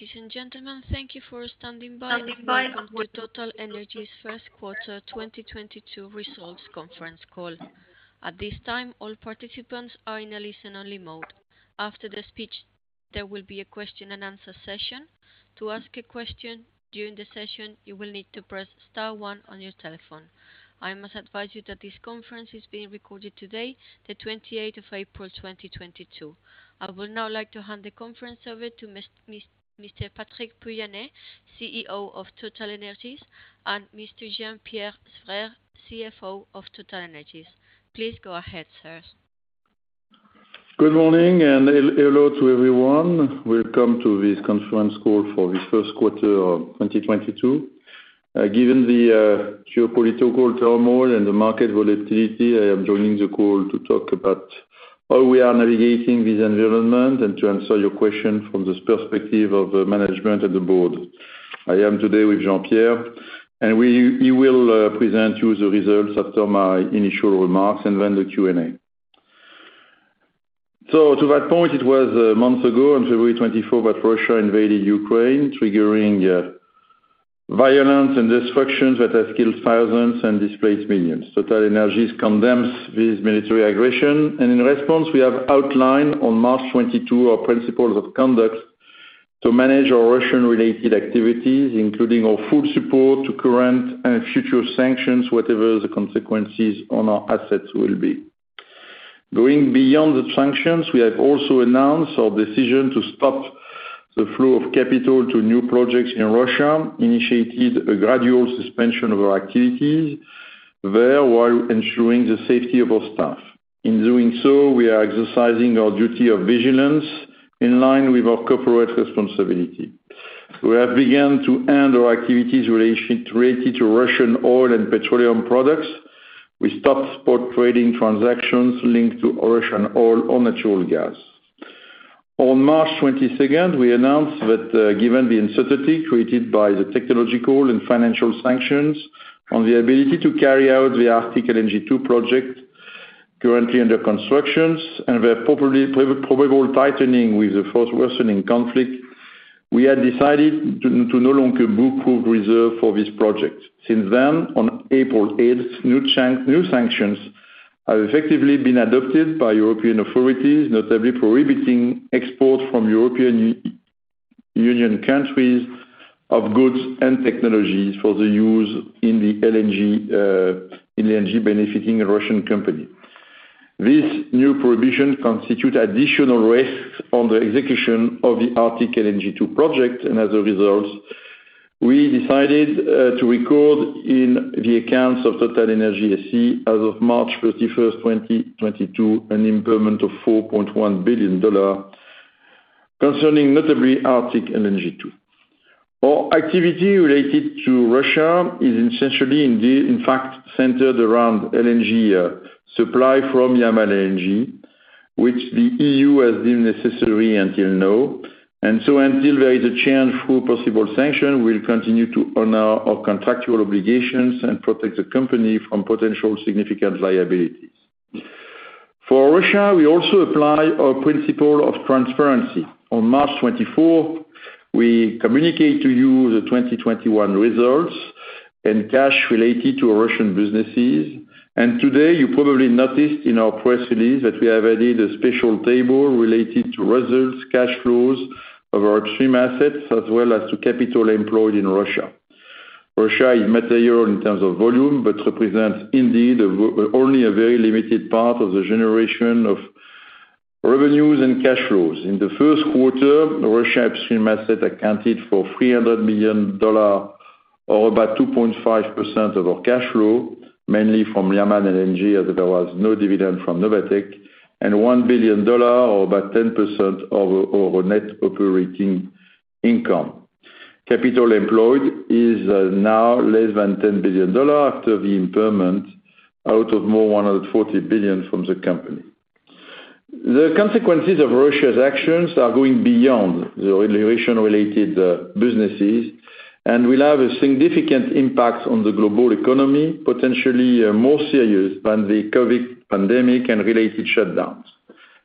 Ladies and gentlemen, thank you for standing by. Welcome to TotalEnergies' Q1 2022 Results Conference Call. At this time, all participants are in a listen only mode. After the speech, there will be a question and answer session. To ask a question during the session, you will need to press star one on your telephone. I must advise you that this conference is being recorded today, the 28 April, 2022. I would now like to hand the conference over to Mr. Patrick Pouyanné, CEO of TotalEnergies, and Mr. Jean-Pierre Sbraire, CFO of TotalEnergies. Please go ahead, sir. Good morning, hello to everyone. Welcome to this conference call for the Q1 of 2022. Given the geopolitical turmoil and the market volatility, I am joining the call to talk about how we are navigating this environment and to answer your question from this perspective of management and the board. I am today with Jean-Pierre, and he will present you the results after my initial remarks and then the Q&A. To that point, it was months ago on 24 February that Russia invaded Ukraine, triggering violence and destructions that have killed thousands and displaced millions. TotalEnergies condemns this military aggression, and in response, we have outlined on 22 March our principles of conduct to manage our Russian-related activities, including our full support to current and future sanctions, whatever the consequences on our assets will be. Going beyond the sanctions, we have also announced our decision to stop the flow of capital to new projects in Russia, initiated a gradual suspension of our activities there while ensuring the safety of our staff. In doing so, we are exercising our duty of vigilance in line with our corporate responsibility. We have began to end our activities related to Russian oil and petroleum products. We stopped spot trading transactions linked to Russian oil or natural gas. On 22 March, we announced that, given the uncertainty created by the technological and financial sanctions on the ability to carry out the Arctic LNG 2 project currently under construction and where probable tightening with the first worsening conflict, we had decided to no longer book proved reserves for this project. Since then, on 8 April, new sanctions have effectively been adopted by European authorities, notably prohibiting export from European Union countries of goods and technologies for the use in the LNG benefiting a Russian company. This new prohibition constitute additional risks on the execution of the Arctic LNG 2 project, and as a result, we decided to record in the accounts of TotalEnergies SE as of 31 March, 2022, an impairment of $4.1 billion concerning notably Arctic LNG 2. Our activity related to Russia is essentially in fact centered around LNG supply from Yamal LNG, which the EU has deemed necessary until now. Until there is a change through possible sanction, we'll continue to honor our contractual obligations and protect the company from potential significant liabilities. For Russia, we also apply our principle of transparency. On 24 March, we communicated to you the 2021 results and cash related to Russian businesses. Today, you probably noticed in our press release that we have added a special table related to results, cash flows of our Russian assets, as well as to capital employed in Russia. Russia is material in terms of volume, but represents indeed only a very limited part of the generation of revenues and cash flows. In the Q1, Russian assets accounted for $300 million or about 2.5% of our cash flow, mainly from Yamal LNG as there was no dividend from Novatek, and $1 billion or about 10% of our net operating income. Capital employed is now less than $10 billion after the impairment out of more $140 billion from the company. The consequences of Russia's actions are going beyond the Russian-related businesses and will have a significant impact on the global economy, potentially more serious than the COVID pandemic and related shutdowns.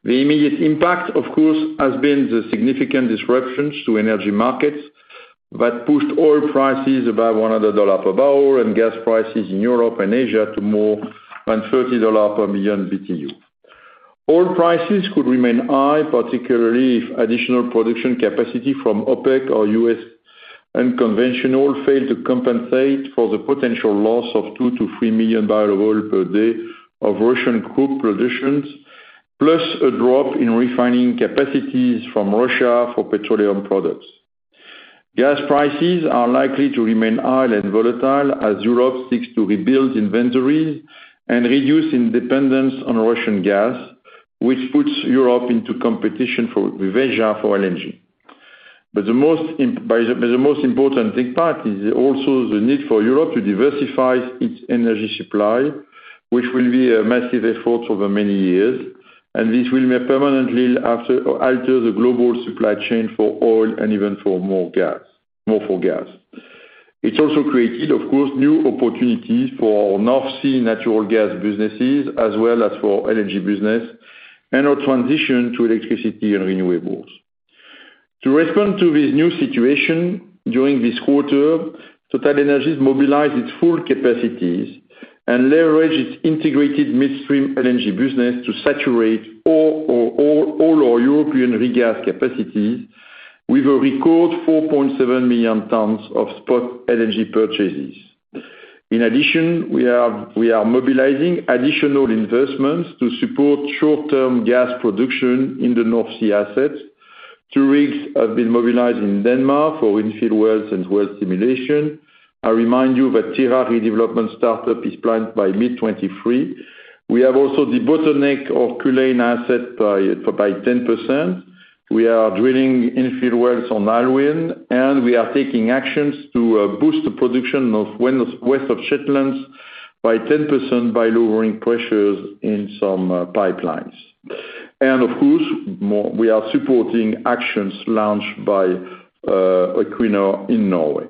The immediate impact, of course, has been the significant disruptions to energy markets that pushed oil prices above $100 per barrel and gas prices in Europe and Asia to more than $30 per million BTU. Oil prices could remain high, particularly if additional production capacity from OPEC or U.S. and conventional fail to compensate for the potential loss of two to three million barrels of oil per day of Russian crude production, plus a drop in refining capacities from Russia for petroleum products. Gas prices are likely to remain high and volatile as Europe seeks to rebuild inventories and reduce dependence on Russian gas, which puts Europe into competition with Asia for LNG. The most important impact is also the need for Europe to diversify its energy supply, which will be a massive effort over many years. This will may permanently alter the global supply chain for oil and even for more gas, more for gas. It’s also created, of course, new opportunities for our North Sea natural gas businesses as well as for LNG business and our transition to electricity and renewables. To respond to this new situation during this quarter, TotalEnergies mobilized its full capacities and leveraged its integrated midstream LNG business to saturate all our European regas capacities with a record 4.7 million tons of spot LNG purchases. In addition, we are mobilizing additional investments to support short-term gas production in the North Sea assets. Two rigs have been mobilized in Denmark for infill wells and well stimulation. I remind you that Tyra redevelopment startup is planned by mid-2023. We have also debottlenecked Culzean by 10%. We are drilling infill wells on Alvheim, and we are taking actions to boost the production of West of Shetlands by 10% by lowering pressures in some pipelines. Of course, we are supporting actions launched by Equinor in Norway.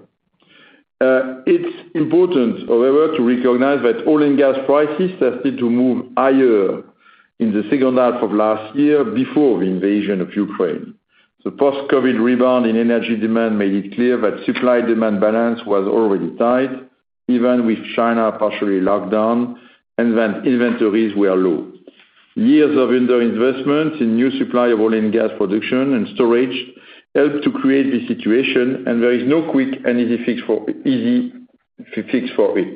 It's important, however, to recognize that oil and gas prices started to move higher in the second half of last year before the invasion of Ukraine. The post-COVID rebound in energy demand made it clear that supply-demand balance was already tight, even with China partially locked down and that inventories were low. Years of underinvestment in new supply of oil and gas production and storage helped to create this situation, and there is no quick and easy fix for it.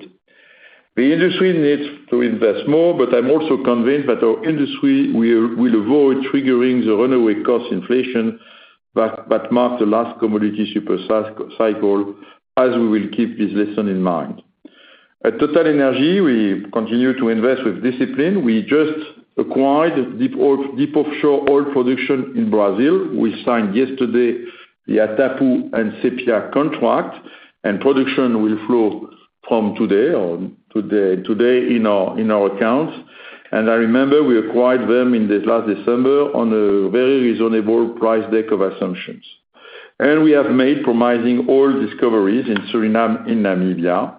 The industry needs to invest more, but I'm also convinced that our industry will avoid triggering the runaway cost inflation that marked the last commodity super cycle, as we will keep this lesson in mind. At TotalEnergies, we continue to invest with discipline. We just acquired deep offshore oil production in Brazil. We signed yesterday the Atapu and Sépia contract, and production will flow from today in our accounts. I remember we acquired them in last December on a very reasonable price deck of assumptions. We have made promising oil discoveries in Suriname and Namibia.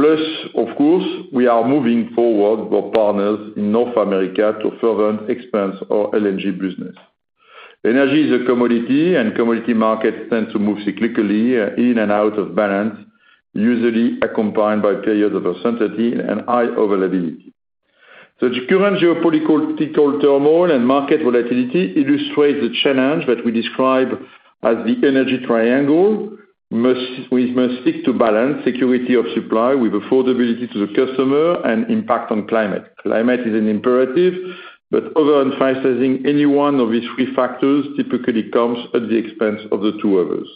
Of course, we are moving forward with partners in North America to further expand our LNG business. Energy is a commodity, and commodity markets tend to move cyclically in and out of balance, usually accompanied by periods of uncertainty and high availability. The current geopolitical turmoil and market volatility illustrates the challenge that we describe as the energy triangle. We must seek to balance security of supply with affordability to the customer and impact on climate. Climate is an imperative, but overemphasizing any one of these three factors typically comes at the expense of the two others.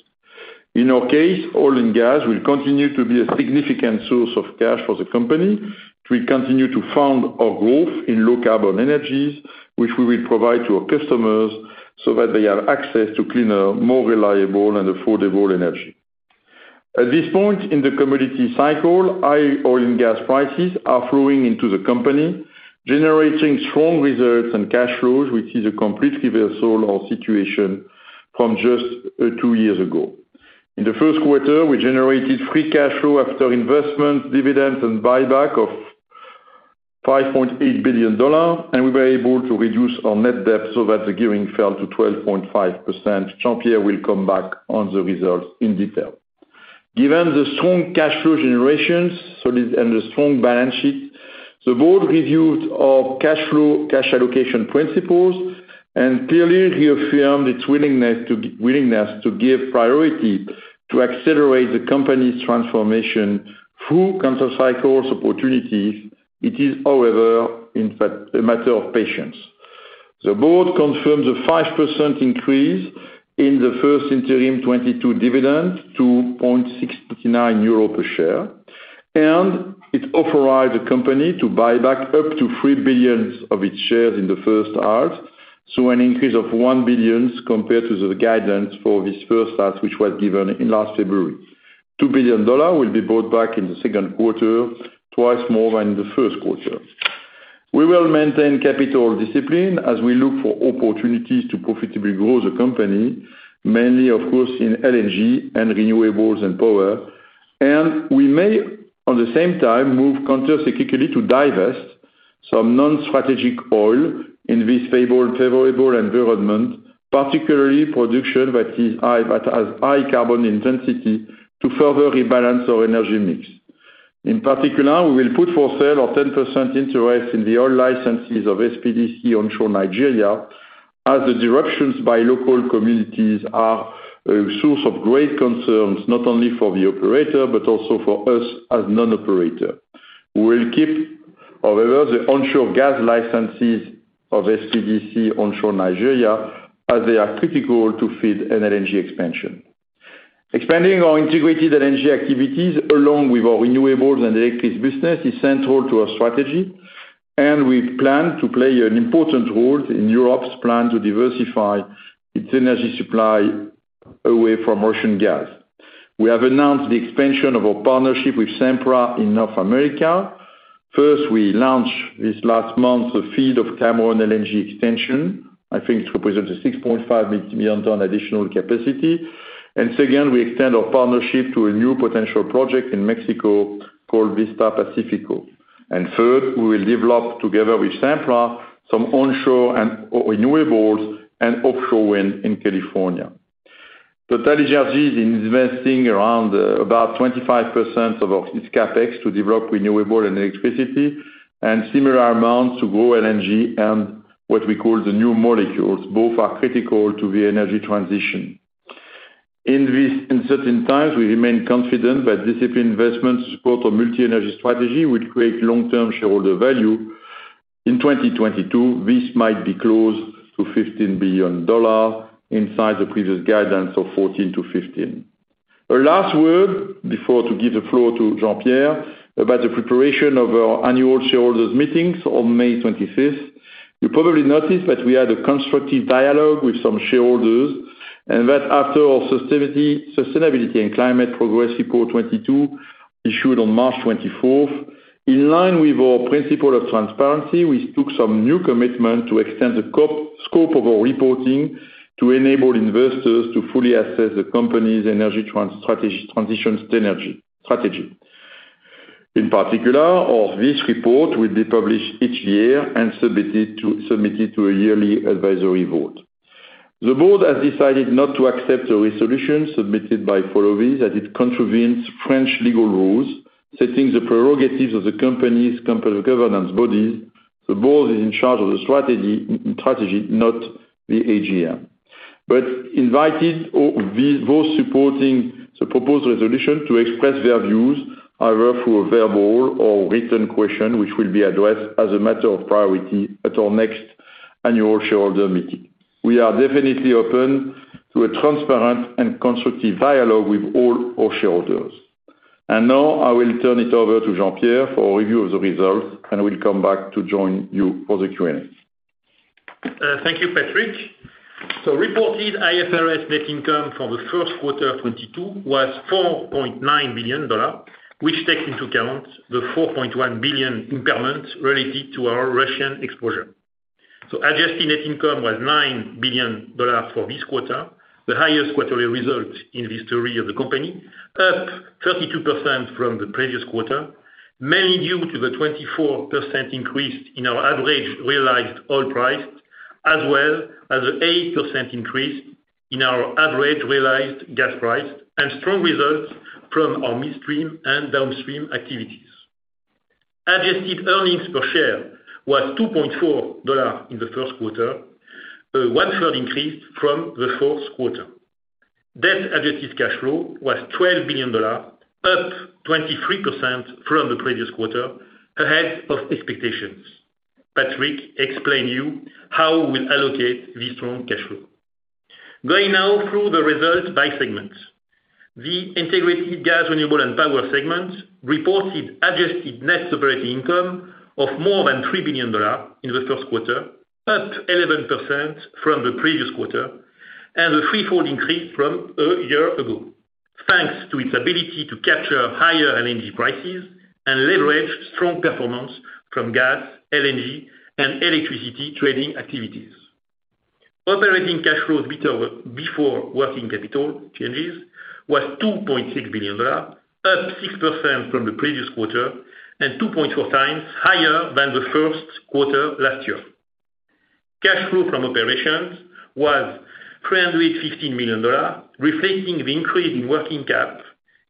In our case, oil and gas will continue to be a significant source of cash for the company. We continue to fund our growth in low carbon energies, which we will provide to our customers so that they have access to cleaner, more reliable and affordable energy. At this point in the commodity cycle, high oil and gas prices are flowing into the company, generating strong reserves and cash flows, which is a complete reversal of situation from just two years ago. In the Q1, we generated free cash flow after investment, dividends, and buyback of $5.8 billion, and we were able to reduce our net debt so that the gearing fell to 12.5%. Jean-Pierre will come back on the results in detail. Given the strong cash flow generations, solid and a strong balance sheet, the board reviewed our cash flow, cash allocation principles, and clearly reaffirmed its willingness to give priority to accelerate the company's transformation through countercyclical opportunities. It is, however, in fact, a matter of patience. The board confirms a 5% increase in the first interim 2022 dividend to 0.659 euro per share, and it authorized the company to buy back up to three billion of its shares in the first half. An increase of one billion compared to the guidance for this first half, which was given in last February. $2 billion will be bought back in Q2, twice more than Q1. We will maintain capital discipline as we look for opportunities to profitably grow the company, mainly of course in LNG and renewables and power. We may, at the same time, move countercyclically to divest some non-strategic oil in this favorable environment, particularly production that is high, that has high carbon intensity to further rebalance our energy mix. In particular, we will put for sale our 10% interest in the oil licenses of SPDC onshore Nigeria, as the disruptions by local communities are a source of great concerns, not only for the operator, but also for us as non-operator. We will keep, however, the onshore gas licenses of SPDC onshore Nigeria, as they are critical to feed an LNG expansion. Expanding our integrated LNG activities along with our renewables and electric business is central to our strategy, and we plan to play an important role in Europe's plan to diversify its energy supply away from Russian gas. We have announced the expansion of our partnership with Sempra in North America. First, we launched this last month the FEED of Cameron LNG extension. I think it represents a 6.5 million ton additional capacity. Second, we extend our partnership to a new potential project in Mexico called Vista Pacífico. Third, we will develop together with Sempra some onshore and renewables and offshore wind in California. TotalEnergies is investing around about 25% of its CapEx to develop renewable and electricity, and similar amounts to grow LNG and what we call the new molecules. Both are critical to the energy transition. In these uncertain times, we remain confident that disciplined investments support our multi-energy strategy will create long-term shareholder value. In 2022, this might be close to $15 billion inside the previous guidance of $14 to 15 billion. A last word before to give the floor to Jean-Pierre about the preparation of our annual shareholders meetings on May twenty-fifth. You probably noticed that we had a constructive dialogue with some shareholders, and that after our sustainability and climate progress report 2022, issued on March twenty-fourth. In line with our principle of transparency, we took some new commitment to extend the scope of our reporting to enable investors to fully assess the company's energy transition strategy. In particular, all these reports will be published each year and submitted to a yearly advisory vote. The board has decided not to accept a resolution submitted by Follow This as it contravenes French legal rules, setting the prerogatives of the company's governance bodies. The board is in charge of the strategy, not the AGM. Invited all these, those supporting the proposed resolution to express their views, either through a verbal or written question, which will be addressed as a matter of priority at our next annual shareholder meeting. We are definitely open to a transparent and constructive dialogue with all our shareholders. Now I will turn it over to Jean-Pierre for a review of the results, and will come back to join you for the Q&A. Thank you, Patrick. Reported IFRS net income for the Q1 of 2022 was $4.9 billion, which takes into account the $4.1 billion impairment related to our Russian exposure. Adjusted net income was $9 billion for this quarter, the highest quarterly result in the history of the company, up 32% from the previous quarter, mainly due to the 24% increase in our average realized oil price, as well as an 8% increase in our average realized gas price and strong results from our midstream and downstream activities. Adjusted earnings per share was $2.4 in the Q1, a one-third increase from Q4. Net adjusted cash flow was $12 billion, up 23% from the previous quarter, ahead of expectations. Patrick explained to you how we'll allocate this strong cash flow. Going now through the results by segment. The Integrated Gas, Renewables and Power segment reported adjusted net operating income of more than $3 billion in the Q1, up 11% from the previous quarter, and a threefold increase from a year ago. Thanks to its ability to capture higher LNG prices and leverage strong performance from gas, LNG, and electricity trading activities. Operating cash flows before working capital changes was $2.6 billion, up 6% from the previous quarter, and 2.4 times higher than the Q1 last year. Cash flow from operations was $315 million, reflecting the increase in working cap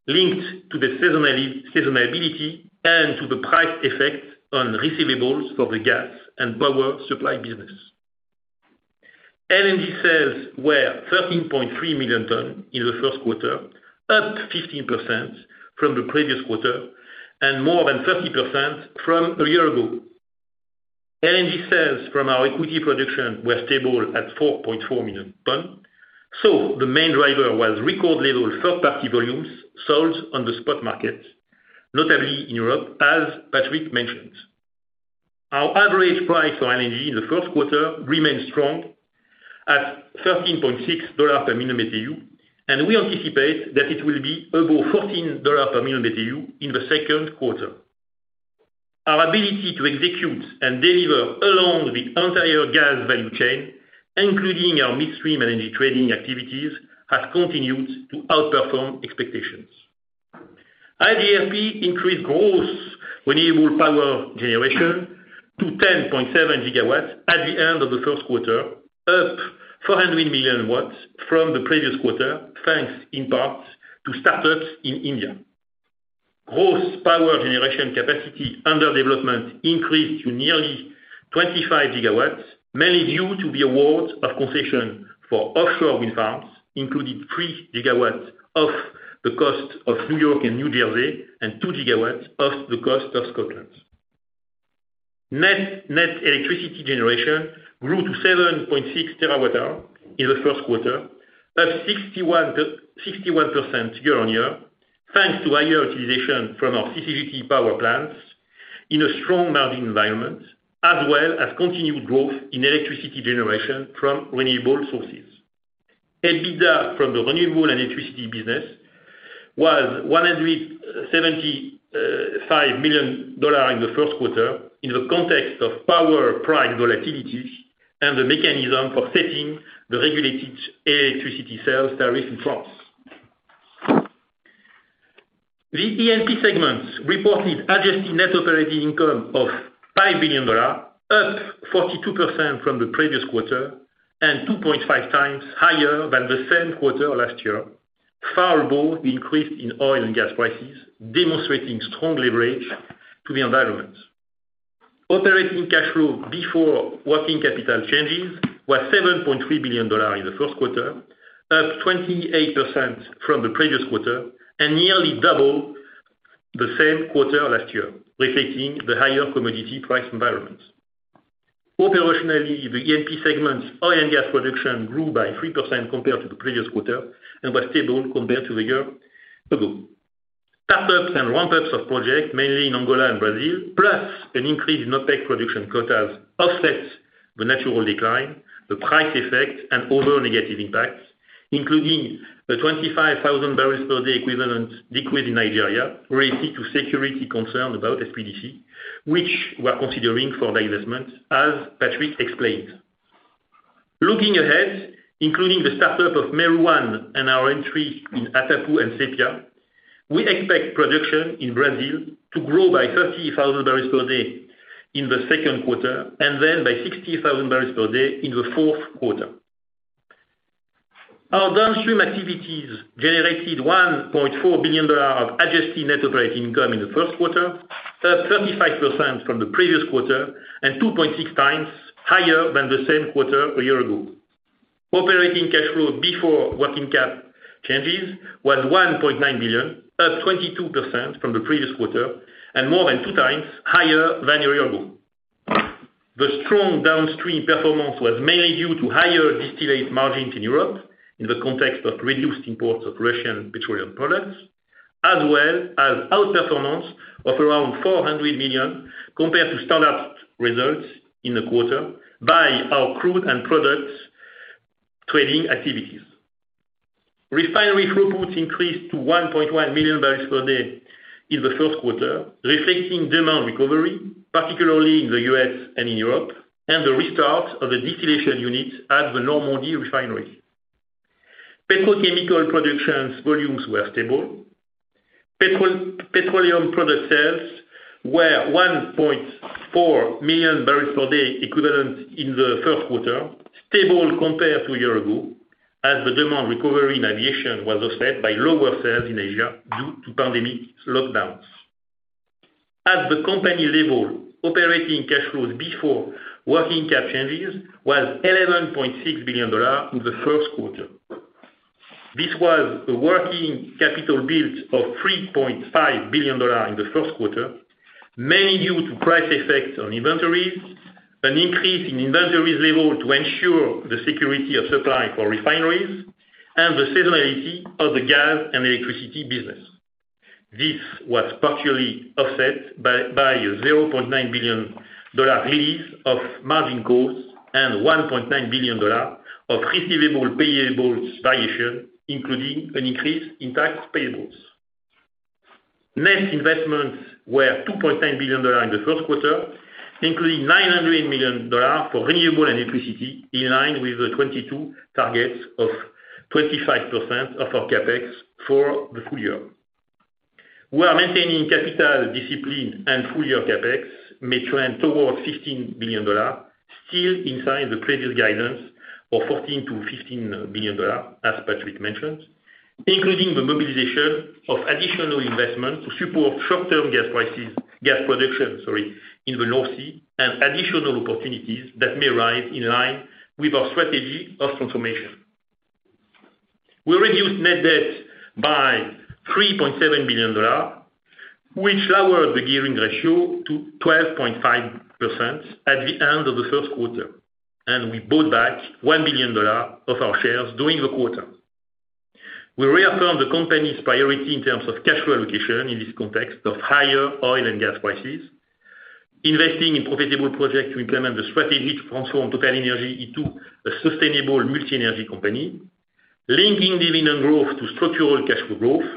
linked to the seasonality and to the price effect on receivables for the gas and power supply business. LNG sales were 13.3 million tons in the Q1, up 15% from the previous quarter and more than 30% from a year ago. LNG sales from our equity production were stable at 4.4 million tons. The main driver was record level third-party volumes sold on the spot market, notably in Europe, as Patrick mentioned. Our average price for LNG in the Q1 remained strong at $13.6 per million BTU, and we anticipate that it will be above $14 per million BTU in Q2. Our ability to execute and deliver along the entire gas value chain, including our midstream LNG trading activities, has continued to outperform expectations. iGRP increased gross renewable power generation to 10.7GW at the end of the Q1, up 400 million watts from the previous quarter, thanks in part to startups in India. Gross power generation capacity under development increased to nearly 25GW, mainly due to the award of concession for offshore wind farms, including 3GW off the coast of New York and New Jersey and 2GW off the coast of Scotland. Net-net electricity generation grew to 7.6 TWh in the Q1, up 61% year-on-year, thanks to higher utilization from our CCGT power plants in a strong margin environment, as well as continued growth in electricity generation from renewable sources. EBITDA from the renewable and electricity business was $175 million in the Q1 in the context of power price volatility and the mechanism for setting the regulated electricity sales tariff in France. The E&P segment reported adjusted net operating income of $5 billion, up 42% from the previous quarter, and 2.5 times higher than the same quarter last year, far above the increase in oil and gas prices, demonstrating strong leverage to the environment. Operating cash flow before working capital changes was $7.3 billion in the Q1, up 28% from the previous quarter and nearly double the same quarter last year, reflecting the higher commodity price environment. Operationally, the E&P segment oil and gas production grew by 3% compared to the previous quarter and was stable compared to the year ago. Startups and ramp ups of projects, mainly in Angola and Brazil, plus an increase in OPEC production quotas offsets the natural decline, the price effect and other negative impacts, including the 25,000 barrels per day equivalent decrease in Nigeria related to security concern about SPDC, which we're considering for divestment, as Patrick explained. Looking ahead, including the startup of Mero-1 and our entry in Atapu and Sépia, we expect production in Brazil to grow by 30,000 barrels per day in Q2 and then by 60,000 barrels per day in Q4. Our downstream activities generated $1.4 billion of adjusted net operating income in the Q1, up 35% from the previous quarter and 2.6 times higher than the same quarter a year ago. Operating cash flow before working capital changes was $1.9 billion, up 22% from the previous quarter and more than 2x higher than a year ago. The strong downstream performance was mainly due to higher distillate margins in Europe in the context of reduced imports of Russian petroleum products, as well as outperformance of around $400 million compared to standard results in the quarter by our crude and products trading activities. Refinery throughput increased to 1.1 million barrels per day in the Q1, reflecting demand recovery, particularly in the U.S. and in Europe, and the restart of the distillation unit at the Normandy refinery. Petrochemical production volumes were stable. Petroleum product sales were 1.4 million barrels per day equivalent in the Q1, stable compared to a year ago as the demand recovery in aviation was offset by lower sales in Asia due to pandemic lockdowns. At the company level, operating cash flows before working capital changes was $11.6 billion in the Q1. This was a working capital build of $3.5 billion in Q1, mainly due to price effects on inventories, an increase in inventory levels to ensure the security of supply for refineries and the seasonality of the gas and electricity business. This was partially offset by a $0.9 billion release of margin costs and $1.9 billion of receivables/payables variation, including an increase in tax payables. Net investments were $2.9 billion in Q1, including $900 million for renewables and electricity, in line with the 2022 targets of 25% of our CapEx for the full year. We are maintaining capital discipline and full-year CapEx may trend towards $15 billion still inside the previous guidance of $14-$15 billion, as Patrick mentioned, including the mobilization of additional investment to support short-term gas production in the North Sea and additional opportunities that may arise in line with our strategy of transformation. We reduced net debt by $3.7 billion, which lowered the gearing ratio to 12.5% at the end of the Q1, and we bought back $1 billion of our shares during the quarter. We reaffirm the company's priority in terms of cash flow allocation in this context of higher oil and gas prices, investing in profitable projects to implement the strategy to transform TotalEnergies into a sustainable multi-energy company, linking dividend growth to structural cash flow growth,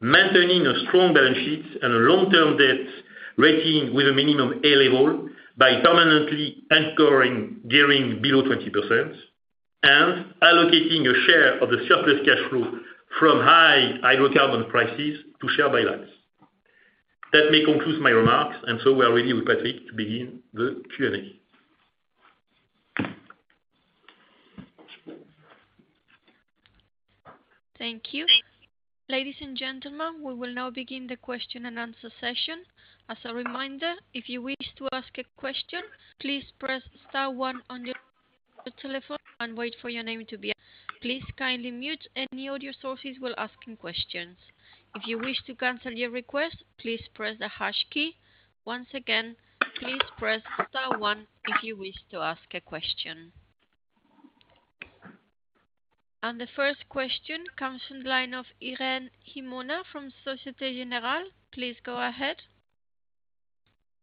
maintaining a strong balance sheet and a long term debt rating with a minimum A level by permanently anchoring gearing below 20% and allocating a share of the surplus cash flow from high hydrocarbon prices to share buybacks. That may conclude my remarks, and so we are ready with Patrick to begin the Q&A. Thank you. Ladies and gentlemen, we will now begin the question and answer session. As a reminder, if you wish to ask a question, please press star one on your telephone and wait for your name to be announced. Please kindly mute any audio sources while asking questions. If you wish to cancel your request, please press the hash key. Once again, please press star one if you wish to ask a question. The first question comes from the line of Irene Himona from Société Générale. Please go ahead.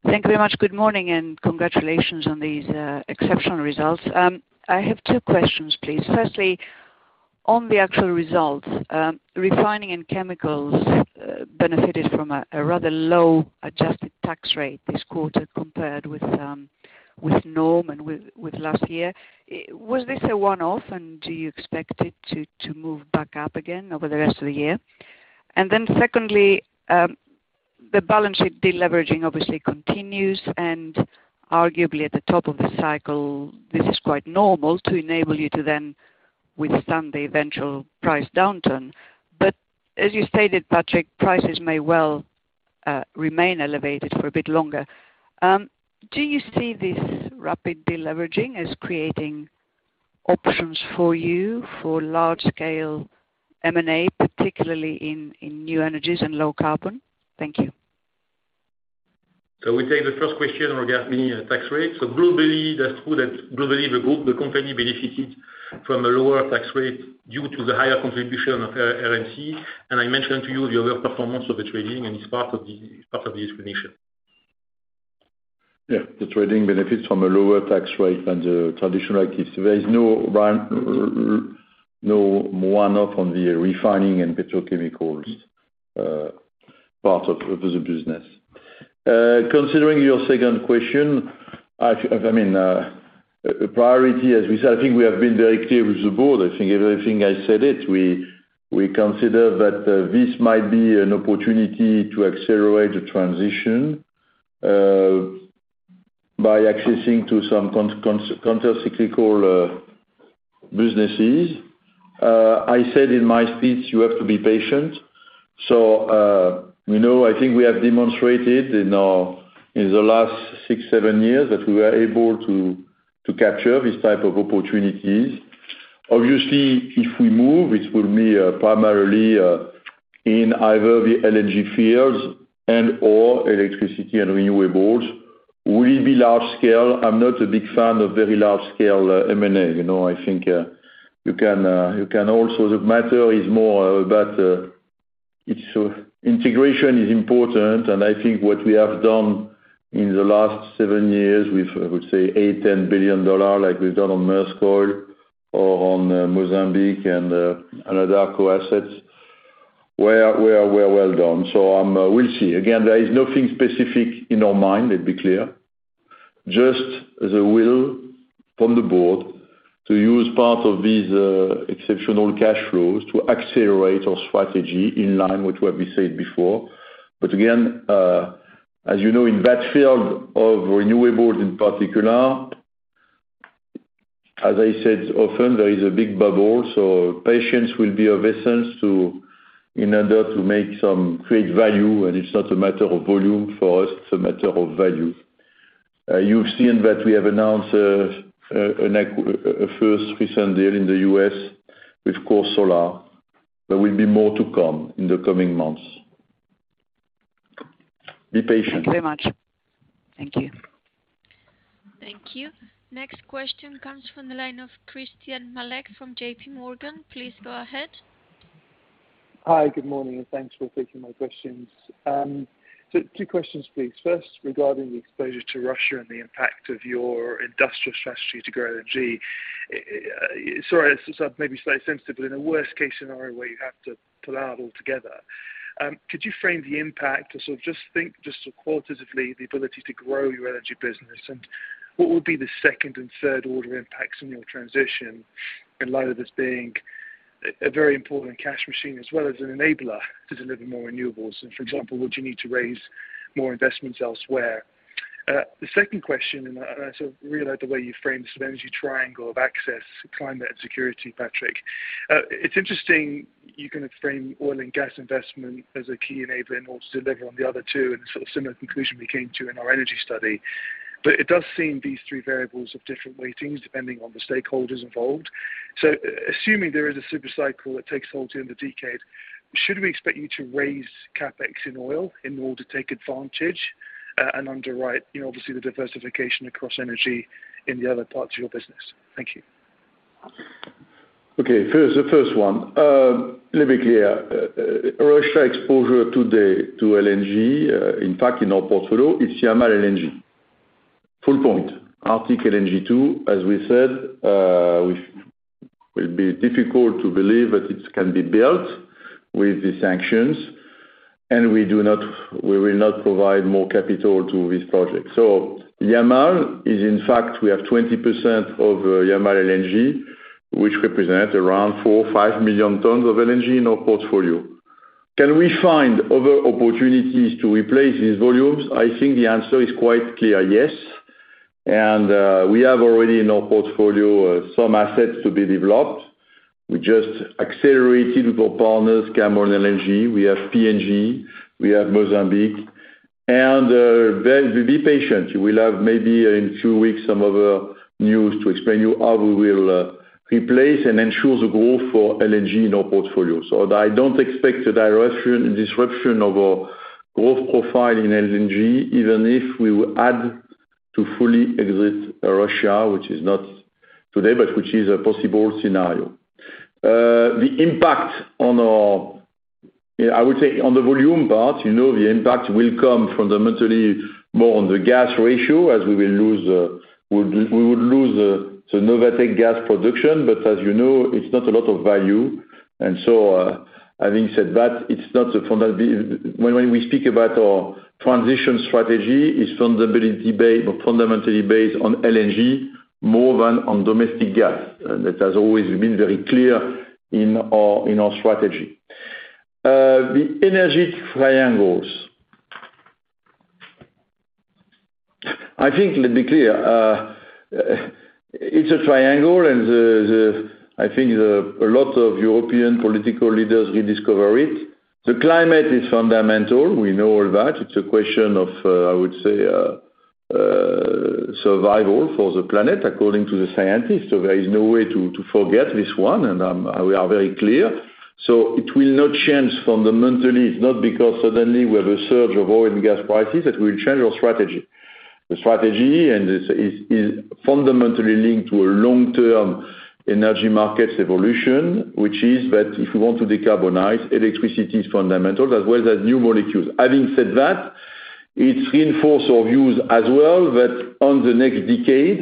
Thank you very much. Good morning, and congratulations on these exceptional results. I have two questions, please. Firstly, on the actual results, refining and chemicals benefited from a rather low adjusted tax rate this quarter compared with norm and with last year. Was this a one-off, and do you expect it to move back up again over the rest of the year? Secondly, the balance sheet de-leveraging obviously continues, and arguably at the top of the cycle, this is quite normal to enable you to then withstand the eventual price downturn. As you stated, Patrick, prices may well remain elevated for a bit longer. Do you see this rapid de-leveraging as creating options for you for large scale M&A, particularly in new energies and low carbon? Thank you. We take the first question regarding tax rates. Globally, that's true that globally the group, the company benefited from a lower tax rate due to the higher contribution of iGRP. I mentioned to you the outperformance of the trading, and it's part of the explanation. The iGRP benefits from a lower tax rate than the traditional activities. There is no one-off on the refining and petrochemicals part of the business. Considering your second question, I mean, our priority, as we said, I think we have been very clear with the board. I think everything I said, we consider that this might be an opportunity to accelerate the transition by access to some counter-cyclical businesses. I said in my speech, you have to be patient. We know, I think we have demonstrated in the last six, seven years that we were able to capture this type of opportunities. Obviously, if we move, it will be primarily in either the LNG field and/or electricity and renewables. Will it be large scale? I'm not a big fan of very large scale M&A. You know, I think you can also, the matter is more about it's integration is important, and I think what we have done in the last seven years with, I would say $8 to 10 billion, like we've done on Maersk Oil or on Mozambique and Anadarko assets, were well done. We'll see. Again, there is nothing specific in our mind, let's be clear. Just the will from the board to use part of these exceptional cash flows to accelerate our strategy in line with what we said before. But again, as you know, in that field of renewable in particular, as I said often, there is a big bubble. Patience will be of the essence in order to create value, and it's not a matter of volume for us, it's a matter of value. You've seen that we have announced a first recent deal in the U.S. with Core Solar. There will be more to come in the coming months. Be patient. Thank you very much. Thank you. Thank you. Next question comes from the line of Christyan Malek from JP Morgan. Please go ahead. Hi. Good morning, and thanks for taking my questions. So two questions, please. First, regarding the exposure to Russia and the impact of your industrial strategy to grow LNG, sorry, this may be slightly sensitive, but in a worst case scenario where you have to pull out altogether, could you frame the impact or sort of qualitatively the ability to grow your LNG business? And what would be the second and third order impacts on your transition, in light of this being a very important cash machine as well as an enabler to deliver more renewables? And for example, would you need to raise more investments elsewhere? The second question, and I sort of really like the way you framed this energy triangle of access to climate and security, Patrick. It's interesting you can frame oil and gas investment as a key enabler in order to deliver on the other two, and a sort of similar conclusion we came to in our energy study. It does seem these three variables have different weightings depending on the stakeholders involved. Assuming there is a super cycle that takes hold in the decade, should we expect you to raise CapEx in oil in order to take advantage, and underwrite, you know, obviously the diversification across energy in the other parts of your business? Thank you. Okay. First, the first one. Let me be clear. Russia exposure today to LNG in fact in our portfolio is Yamal LNG. Arctic LNG 2, as we said, will be difficult to believe that it can be built with the sanctions, and we do not, we will not provide more capital to this project. Yamal is in fact, we have 20% of Yamal LNG, which represent around four to five million tons of LNG in our portfolio. Can we find other opportunities to replace these volumes? I think the answer is quite clear, yes. We have already in our portfolio some assets to be developed. We just accelerated with our partners Cameron LNG. We have Papua LNG, we have Mozambique LNG. Well, be patient. We will have maybe in a few weeks some other news to explain to you how we will replace and ensure the growth for LNG in our portfolio. I don't expect a disruption of our growth profile in LNG, even if we have to fully exit Russia, which is not today, but which is a possible scenario. The impact on our. Yeah, I would say on the volume part, you know, the impact will come fundamentally more on the gas ratio as we would lose the Novatek gas production. As you know, it's not a lot of value. Having said that, it's not a funda. When we speak about our transition strategy, it's fundamentally based on LNG more than on domestic gas. That has always been very clear in our strategy. The energy triangles. I think, let's be clear, it's a triangle and they I think a lot of European political leaders rediscover it. The climate is fundamental. We know all that. It's a question of, I would say, survival for the planet, according to the scientists. There is no way to forget this one. We are very clear. It will not change fundamentally. It's not because suddenly we have a surge of oil and gas prices that we will change our strategy. The strategy, and this is fundamentally linked to a long-term energy markets evolution, which is that if we want to decarbonize, electricity is fundamental as well as new molecules. Having said that, it reinforce our views as well that on the next decade,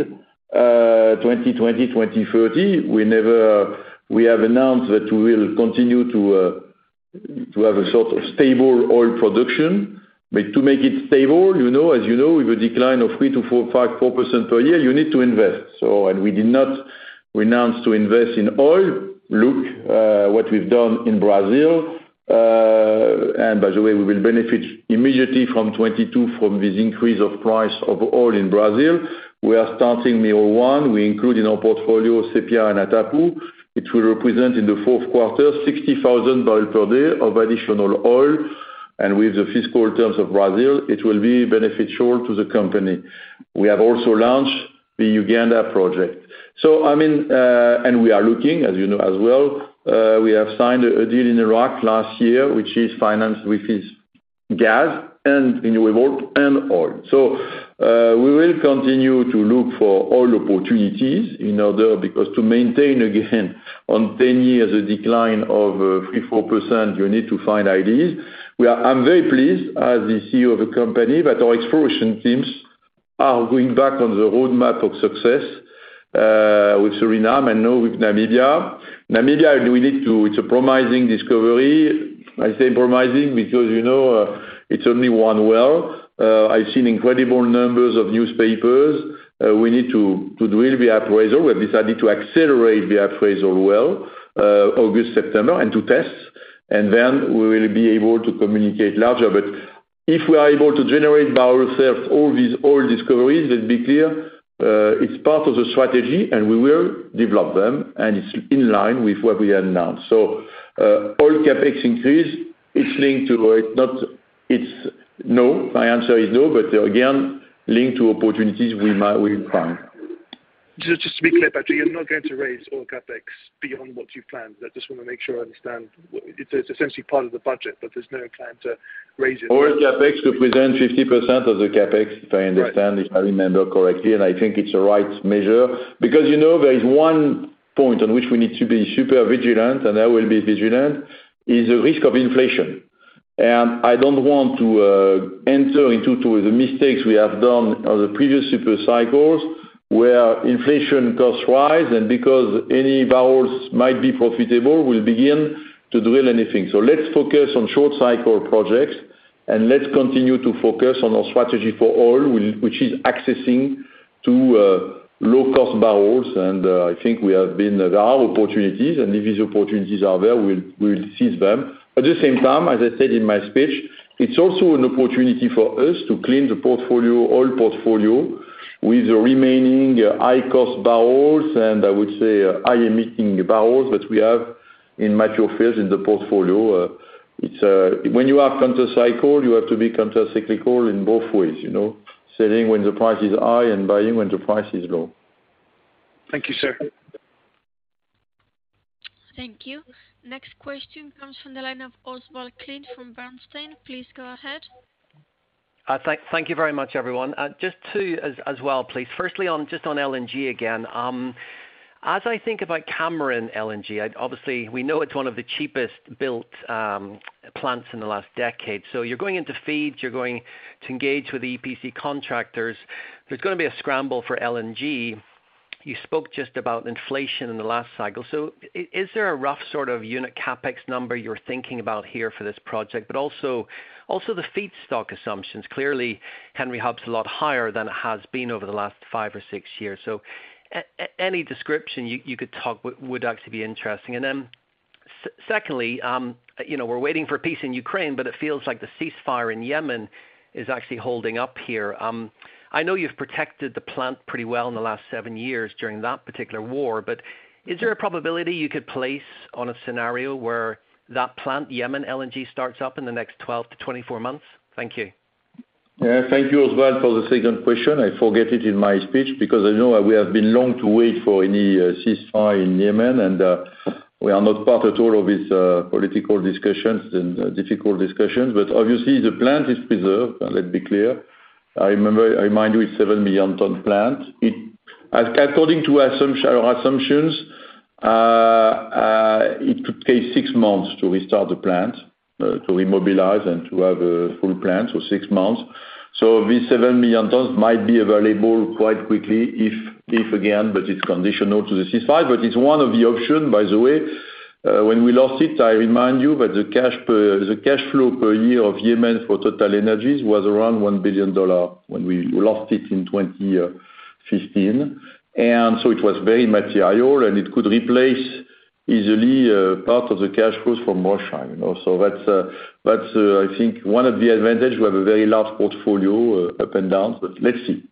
2020, 2030, we have announced that we will continue to have a sort of stable oil production. To make it stable, you know, as you know, with a decline of 3% to 4.4% per year, you need to invest. We did not renounce to invest in oil. Look, what we've done in Brazil. And by the way, we will benefit immediately from 2022 from this increase of price of oil in Brazil. We are starting Mero-1. We include in our portfolio Sépia and Atapu, which will represent in Q4 60,000 barrels per day of additional oil. With the fiscal terms of Brazil, it will be beneficial to the company. We have also launched the Uganda project. I mean, we are looking, as you know as well, we have signed a deal in Iraq last year, which is financed with this gas and renewable and oil. We will continue to look for oil opportunities in order because to maintain again on 10 years a decline of 3% to 4%, you need to find ideas. I'm very pleased as the CEO of the company that our exploration teams are going back on the roadmap of success with Suriname and now with Namibia. Namibia. It's a promising discovery. I say promising because, you know, it's only one well. I've seen incredible numbers in newspapers. We need to drill the appraisal well. We have decided to accelerate the appraisal well August, September, and to test, and then we will be able to communicate later. If we are able to appraise by ourselves all these oil discoveries, let's be clear, it's part of the strategy and we will develop them and it's in line with what we announced. Oil CapEx increase, it's linked to. It's not, it's no. My answer is no. Again, linked to opportunities we find. Just to be clear, Patrick, you're not going to raise oil CapEx beyond what you've planned? I just wanna make sure I understand. It's essentially part of the budget, but there's no plan to raise it. Oil CapEx represent 50% of the CapEx, if I understand, if I remember correctly, and I think it's a right measure. You know, there is one point on which we need to be super vigilant, and I will be vigilant, is the risk of inflation. I don't want to enter into the mistakes we have done on the previous super cycles, where inflation costs rise and because any barrels might be profitable, we'll begin to drill anything. Let's focus on short cycle projects and let's continue to focus on our strategy for oil, which is accessing to low cost barrels. I think there are opportunities and if these opportunities are there, we'll seize them. At the same time, as I said in my speech, it's also an opportunity for us to clean the portfolio, oil portfolio with the remaining high cost barrels and I would say high emitting barrels that we have in mature fields in the portfolio. When you are counter-cyclical, you have to be counter-cyclical in both ways, you know? Selling when the price is high and buying when the price is low. Thank you, sir. Thank you. Next question comes from the line of Oswald Clint from Bernstein. Please go ahead. Thank you very much everyone. Just two asks as well, please. Firstly, just on LNG again. As I think about Cameron LNG, obviously we know it's one of the cheapest built plants in the last decade. You're going into FEED, you're going to engage with EPC contractors. There's gonna be a scramble for LNG. You spoke just about inflation in the last cycle. Is there a rough sort of unit CapEx number you're thinking about here for this project? But also the feedstock assumptions. Clearly Henry Hub's a lot higher than it has been over the last five or six years. Any description you could talk would actually be interesting. Then secondly, you know, we're waiting for peace in Ukraine, but it feels like the ceasefire in Yemen is actually holding up here. I know you've protected the plant pretty well in the last seven years during that particular war, but is there a probability you could place on a scenario where that plant, Yemen LNG, starts up in the next 12-24 months? Thank you. Yeah, thank you as well for the second question. I forget it in my speech because I know we have been longing to wait for any ceasefire in Yemen and we are not a part at all of its political discussions and difficult discussions. Obviously the plant is preserved, let's be clear. I remind you it's seven million ton plant. It, according to assumptions, could take six months to restart the plant, to remobilize and to have full plants or six months. These seven million tons might be available quite quickly if again, but it's conditional to the ceasefire. It's one of the option, by the way, when we lost it, I remind you that the cash flow per year of Yemen for TotalEnergies was around $1 billion when we lost it in 2015. It was very material, and it could replace easily part of the cash flows from Russian, you know. That's, I think, one of the advantage. We have a very large portfolio, up and down. Let's see.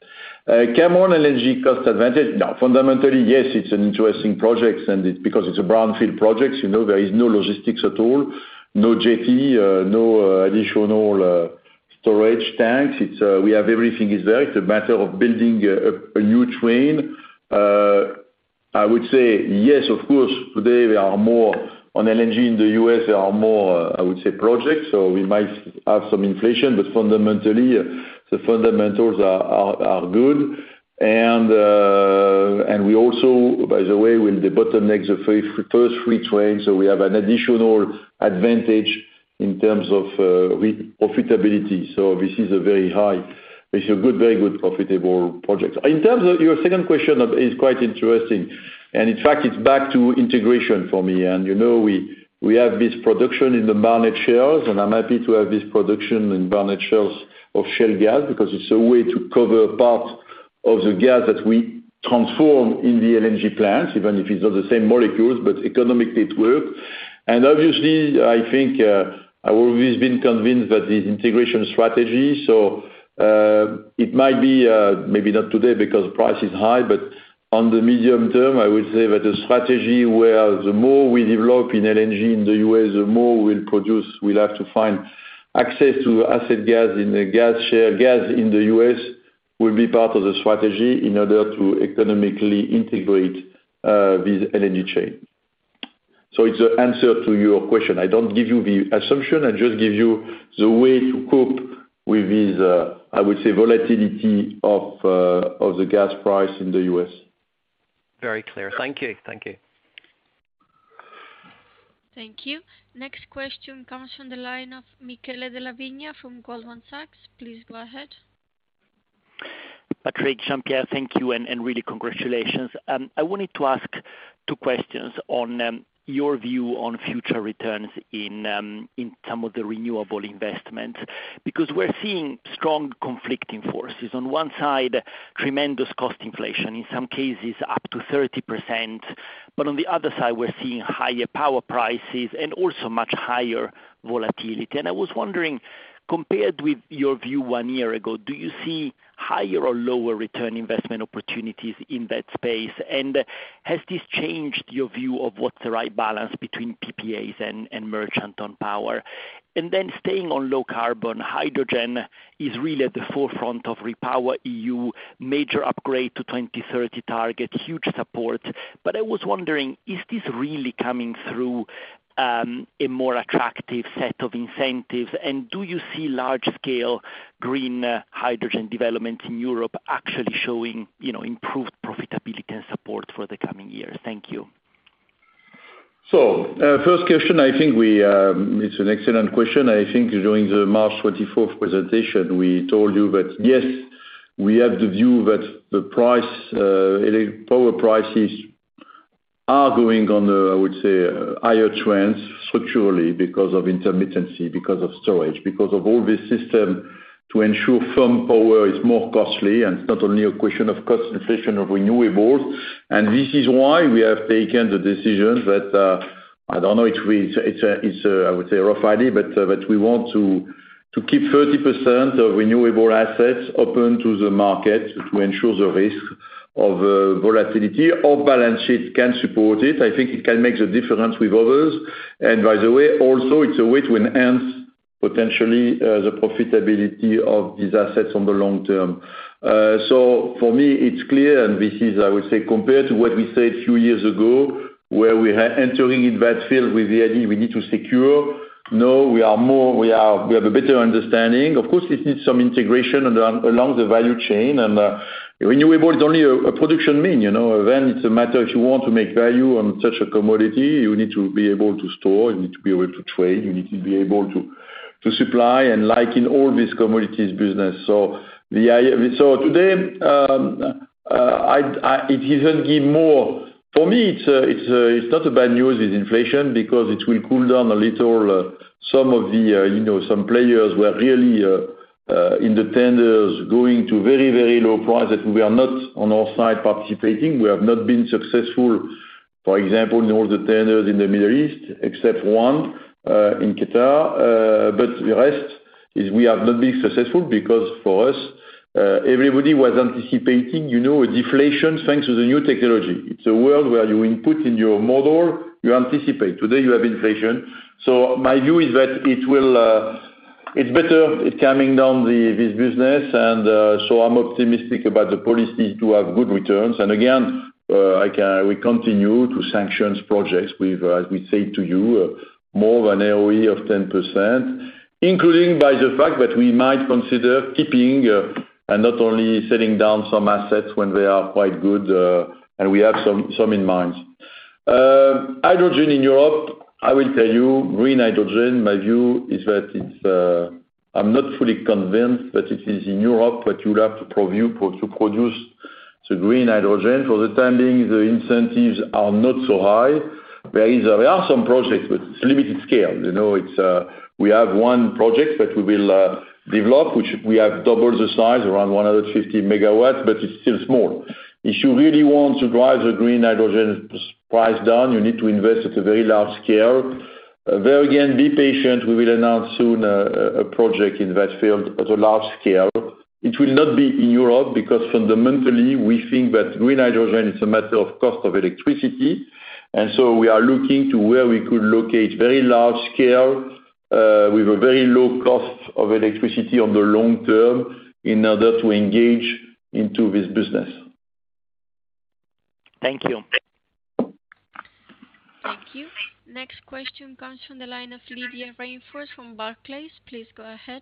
Cameron LNG cost advantage. Now, fundamentally, yes, it's an interesting project and it's because it's a brownfield project, you know, there is no logistics at all, no jetty, no additional storage tanks. It's we have everything is there. It's a matter of building a new train. I would say yes, of course, today we are more on LNG in the U.S. There are more, I would say, projects, so we might have some inflation. Fundamentally, the fundamentals are good. We also, by the way, will debottleneck the first three trains, so we have an additional advantage in terms of our profitability. This is a good, very good profitable project. In terms of your second question is quite interesting, and in fact it's back to integration for me. You know, we have this production in the Barnett Shale, and I'm happy to have this production in Barnett Shale of shale gas because it's a way to cover part of the gas that we transform in the LNG plants, even if it's not the same molecules, but economically it works. Obviously, I think, I will always been convinced that the integration strategy, so, it might be maybe not today because price is high, but on the medium term, I would say that the strategy where the more we develop in LNG in the US, the more we'll produce, we'll have to find access to gas assets in the gas shale. Gas in the US will be part of the strategy in order to economically integrate this LNG chain. It's an answer to your question. I don't give you the assumption. I just give you the way to cope with this, I would say, volatility of the gas price in the US. Very clear. Thank you. Thank you. Thank you. Next question comes from the line of Michele Della Vigna from Goldman Sachs. Please go ahead. Patrick, Jean-Pierre, thank you and really congratulations. I wanted to ask two questions on your view on future returns in some of the renewable investments. Because we're seeing strong conflicting forces. On one side, tremendous cost inflation, in some cases up to 30%, but on the other side we're seeing higher power prices and also much higher volatility. I was wondering, compared with your view one year ago, do you see higher or lower return investment opportunities in that space? Has this changed your view of what's the right balance between PPAs and merchant power? Staying on low carbon, hydrogen is really at the forefront of REPowerEU major upgrade to 2030 target, huge support. I was wondering, is this really coming through a more attractive set of incentives? Do you see large scale green hydrogen development in Europe actually showing, you know, improved profitability and support for the coming years? Thank you. First question, I think it's an excellent question. I think during the 24 March presentation, we told you that yes, we have the view that the price, power prices are going on a, I would say, higher trends structurally because of intermittency, because of storage, because of all this system to ensure firm power is more costly and it's not only a question of cost inflation of renewables. This is why we have taken the decision that, I don't know if we, it's a, it's a, I would say, rough idea, but we want to keep 30% of renewable assets open to the market to ensure the risk of volatility. Our balance sheet can support it. I think it can make the difference with others. By the way, also it's a way to enhance potentially the profitability of these assets on the long term. For me it's clear, and this is, I would say, compared to what we said a few years ago, where we entering in that field with the idea we need to secure. No, we are more, we have a better understanding. Of course, this needs some integration along the value chain and renewable is only a production mean, you know. It's a matter if you want to make value on such a commodity, you need to be able to store, you need to be able to trade, you need to be able to supply and like in all these commodities business. Today it doesn't give more. For me it's not bad news, this inflation, because it will cool down a little some of the players who are really in the tenders going to very low prices. We are not on our side participating. We have not been successful, for example, in all the tenders in the Middle East except one in Qatar. The rest is we have not been successful because for us everybody was anticipating a deflation thanks to the new technology. It's a world where you input in your model, you anticipate. Today you have inflation. My view is that it's better, it's calming down this business, so I'm optimistic about the possibility to have good returns. We continue to sanction projects. We've, as we said to you, more than 10% ROE, including by the fact that we might consider keeping and not only shutting down some assets when they are quite good, and we have some in mind. Hydrogen in Europe, I will tell you, green hydrogen, my view is that it's, I'm not fully convinced that it is in Europe that you have to produce the green hydrogen. For the time being, the incentives are not so high. There are some projects, but it's limited scale. You know, it's, we have one project that we will develop, which we have doubled the size around 150 megawatts, but it's still small. If you really want to drive the green hydrogen price down, you need to invest at a very large scale. There again, be patient. We will announce soon a project in that field at a large scale. It will not be in Europe because fundamentally, we think that green hydrogen is a matter of cost of electricity. We are looking to where we could locate very large scale, with a very low cost of electricity on the long term in order to engage into this business. Thank you. Thank you. Next question comes from the line of Lydia Rainforth from Barclays. Please go ahead.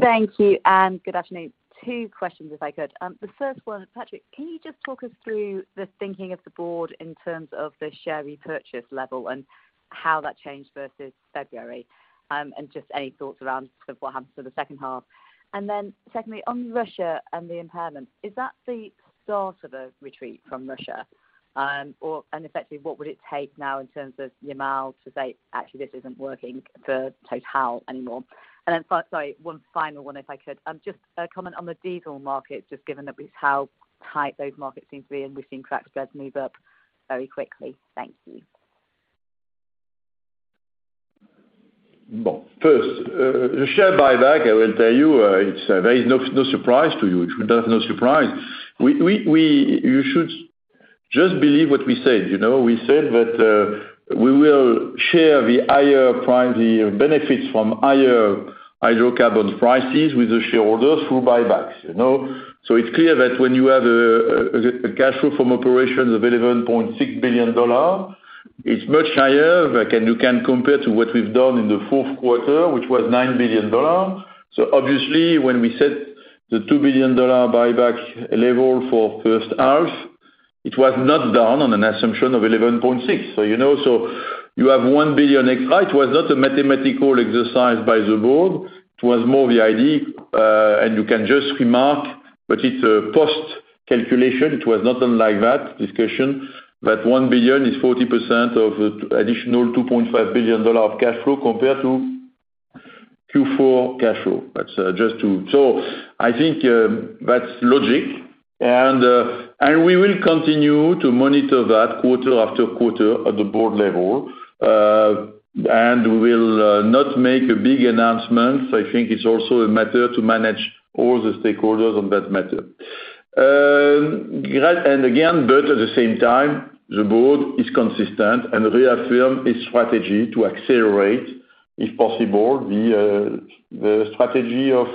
Thank you, good afternoon. Two questions, if I could. The first one, Patrick, can you just talk us through the thinking of the board in terms of the share repurchase level and how that changed versus February? Just any thoughts around sort of what happens for the second half. Secondly, on Russia and the impairment, is that the start of a retreat from Russia? Or, effectively, what would it take now in terms of Yamal to say, "Actually, this isn't working for Total anymore?" Sorry, one final one, if I could. Just a comment on the diesel market, just given that with how tight those markets seem to be and we've seen crack spreads move up very quickly. Thank you. Well, first, the share buyback, I will tell you, it's, there is no surprise to you. It should have no surprise. We you should just believe what we said, you know? We said that, we will share the benefits from higher hydrocarbon prices with the shareholders through buybacks, you know? It's clear that when you have a cash flow from operations of $11.6 billion, it's much higher than you can compare to what we've done in Q4, which was $9 billion. Obviously, when we set the $2 billion buyback level for first half, it was not done on an assumption of $11.6 billion. You know, you have $1 billion extra. It was not a mathematical exercise by the board. It was more the idea, and you can just remark that it's a post calculation. It was not done like that, discussion. That $1 billion is 40% of additional $2.5 billion of cash flow compared to Q4 cash flow. That's just so I think that's logic. We will continue to monitor that quarter after quarter at the board level. We will not make a big announcement. I think it's also a matter to manage all the stakeholders on that matter. Again, but at the same time, the board is consistent and reaffirm its strategy to accelerate, if possible, the strategy of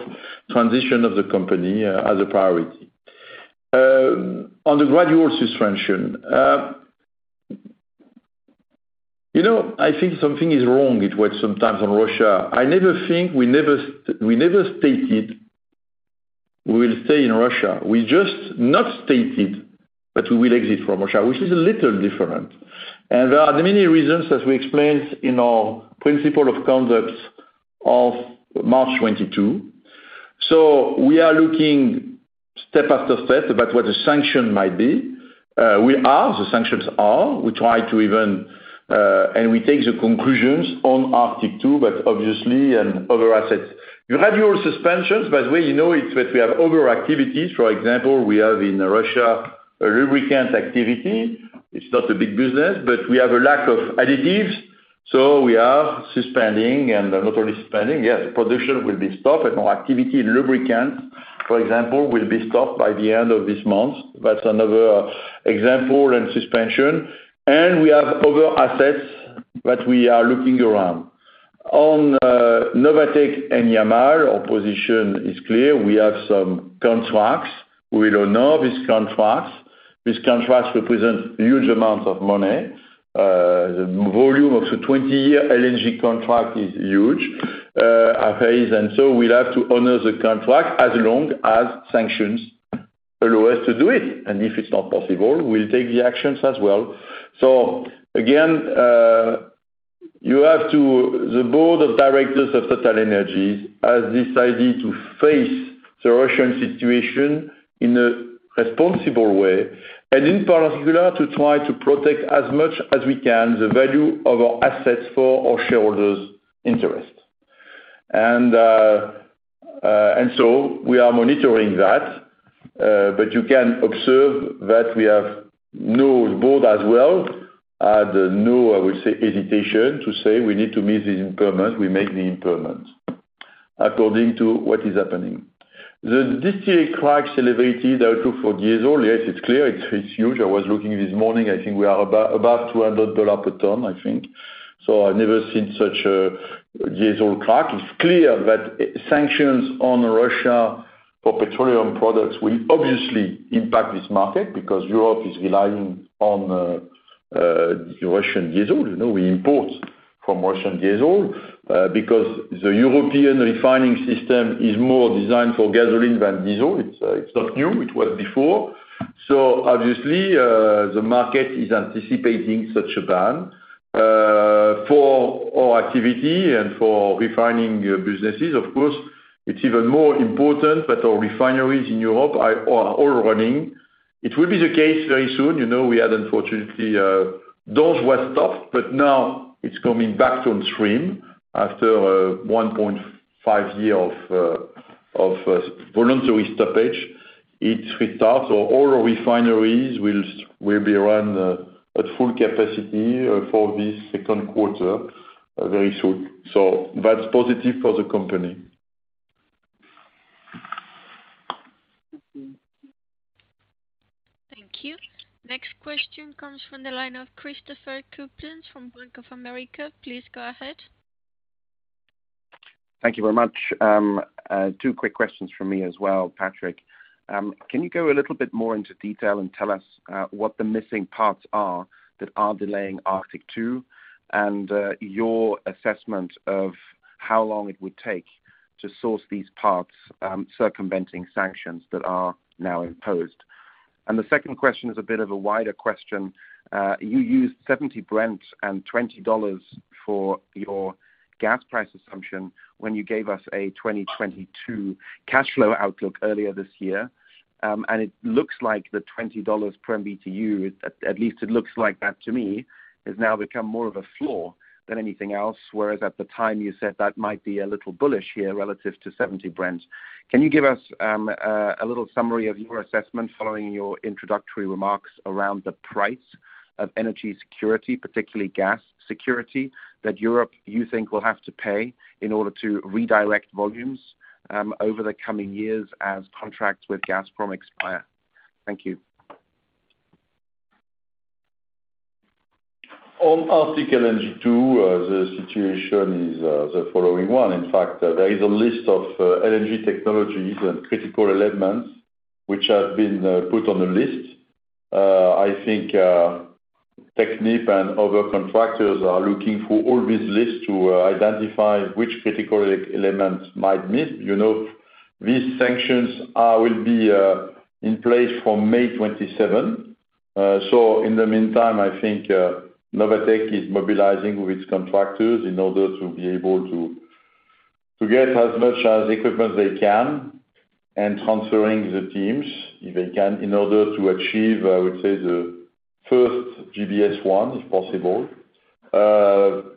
transition of the company as a priority. On the gradual suspension, you know, I think something is wrong with what sometimes on Russia. We never stated we will stay in Russia. We just not stated that we will exit from Russia, which is a little different. There are many reasons, as we explained in our principle of conduct of March 2022. We are looking step after step about what the sanction might be. The sanctions are. We take the conclusions on Arctic LNG 2, but obviously in other assets. You have your suspensions, but well, you know, it's that we have other activities. For example, we have in Russia a lubricant activity. It's not a big business, but we have a lack of additives. So we are suspending, and not only suspending, yes, production will be stopped and our activity in lubricant, for example, will be stopped by the end of this month. That's another example and suspension. We have other assets that we are looking around. On Novatek and Yamal, our position is clear. We have some contracts. We don't know these contracts. These contracts represent huge amounts of money. The volume of the 20-year LNG contract is huge at pace. We'll have to honor the contract as long as sanctions allow us to do it. If it's not possible, we'll take the actions as well. Again, the board of directors of TotalEnergies has decided to face the Russian situation in a responsible way and in particular, to try to protect as much as we can the value of our assets for our shareholders' interest. We are monitoring that, but you can observe that we have no the board as well have no, I would say, hesitation to say we need to meet the impairment, we make the impairment according to what is happening. The diesel crack celebrates the outlook for diesel. Yes, it's clear, it's huge. I was looking this morning, I think we are about $200 per ton, I think. So I never seen such a diesel crack. It's clear that EU sanctions on Russia for petroleum products will obviously impact this market because Europe is relying on the Russian diesel. You know, we import Russian diesel because the European refining system is more designed for gasoline than diesel. It's not new, it was before. Obviously, the market is anticipating such a ban. For our activity and for refining businesses, of course, it's even more important that our refineries in Europe are all running. It will be the case very soon. You know, we had unfortunately, those were stopped, but now it's coming back on stream after 1.5 year of voluntary stoppage. It restarts. All our refineries will be run at full capacity for this Q2 very soon. That's positive for the company. Thank you. Next question comes from the line of Christopher Kuplent from Bank of America. Please go ahead. Thank you very much. Two quick questions from me as well, Patrick. Can you go a little bit more into detail and tell us what the missing parts are that are delaying Arctic LNG 2, and your assessment of how long it would take to source these parts, circumventing sanctions that are now imposed? The second question is a bit of a wider question. You used 70 Brent and $20 for your gas price assumption when you gave us a 2022 cash flow outlook earlier this year. It looks like the $20 per BTU, at least it looks like that to me, has now become more of a floor than anything else, whereas at the time you said that might be a little bullish here relative to 70 Brent. Can you give us a little summary of your assessment following your introductory remarks around the price of energy security, particularly gas security, that Europe, you think, will have to pay in order to redirect volumes over the coming years as contracts with Gazprom expire? Thank you. On Arctic LNG 2, the situation is the following one. In fact, there is a list of LNG technologies and critical elements which have been put on the list. I think Technip and other contractors are looking through all these lists to identify which critical elements might miss. You know, these sanctions will be in place from May 27. So in the meantime, I think Novatek is mobilizing with contractors in order to be able to get as much equipment they can and transferring the teams, if they can, in order to achieve, I would say, the first GBS one, if possible.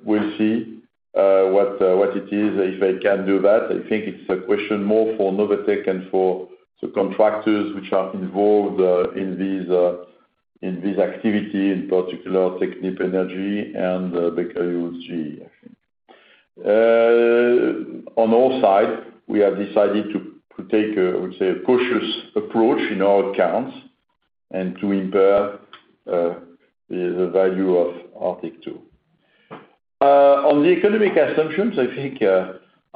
We'll see what it is, if they can do that. I think it's a question more for Novatek and for the contractors which are involved in this activity, in particular Technip Energies and Baker Hughes. On our side, we have decided to take a cautious approach in our accounts and to impair the value of Arctic LNG 2. On the economic assumptions, I think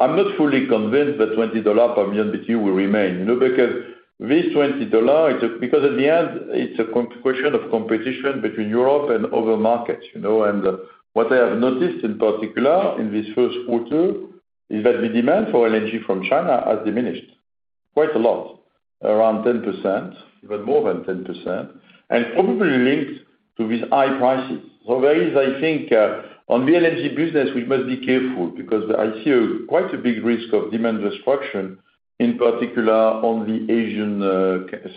I'm not fully convinced that $20 per million BTU will remain, you know, because this $20 is a question of competition between Europe and other markets, you know. What I have noticed in particular in this Q1 is that the demand for LNG from China has diminished quite a lot, around 10%, even more than 10%, and probably linked to these high prices. There is, I think, on the LNG business, we must be careful because I see quite a big risk of demand destruction, in particular on the Asian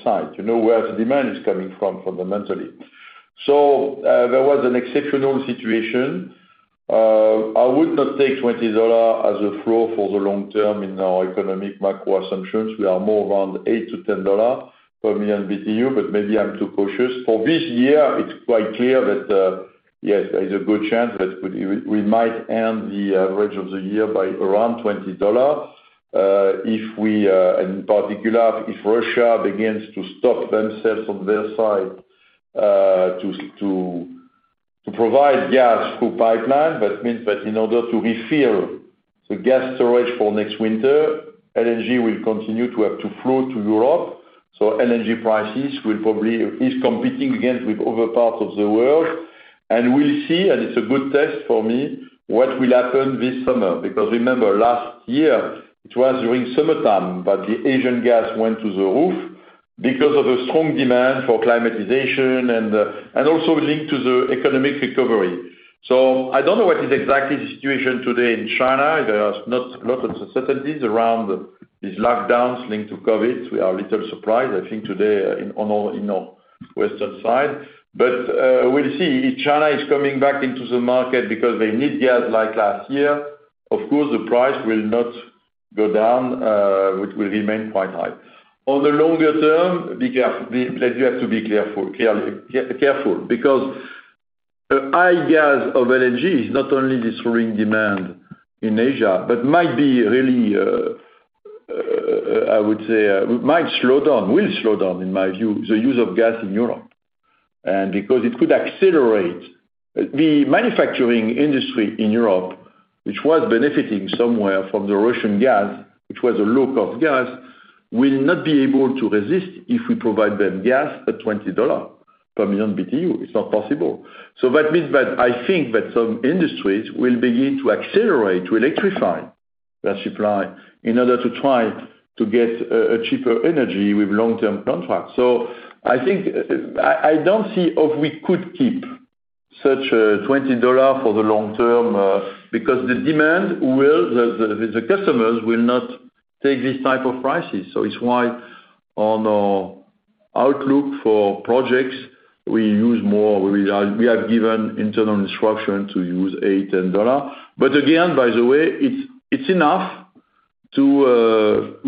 side, you know, where the demand is coming from fundamentally. There was an exceptional situation. I would not take $20 as a floor for the long term in our economic macro assumptions. We are more around $8 to 10 per million BTU, but maybe I'm too cautious. For this year, it's quite clear that, yes, there is a good chance that we might end the average of the year by around $20, in particular, if Russia begins to stop themselves on their side, to provide gas through pipeline. That means that in order to refill the gas storage for next winter, LNG will continue to have to flow to Europe. LNG prices will probably be competing with other parts of the world. We'll see, and it's a good test for me, what will happen this summer. Because remember, last year it was during summertime that the Asian gas went through the roof because of the strong demand for air conditioning and also linked to the economic recovery. I don't know what is exactly the situation today in China. There are not a lot of certainties around these lockdowns linked to COVID. We are a little surprised, I think, today, on our, you know, western side. We'll see. If China is coming back into the market because they need gas like last year, of course the price will not go down, which will remain quite high. On the longer term, you have to be careful because the high gas or LNG is not only destroying demand in Asia, but might be really, I would say, will slow down, in my view, the use of gas in Europe because it could decimate the manufacturing industry in Europe, which was benefiting somewhat from the Russian gas, which was low-cost gas, will not be able to resist if we provide them gas at $20 per million BTU. It's not possible. That means that I think that some industries will begin to accelerate, to electrify their supply in order to try to get a cheaper energy with long-term contracts. I think I don't see if we could keep such a $20 for the long term, because the demand will, the customers will not take these type of prices. It's why on our outlook for projects, we have given internal instruction to use $8 to 10. But again, by the way, it's enough to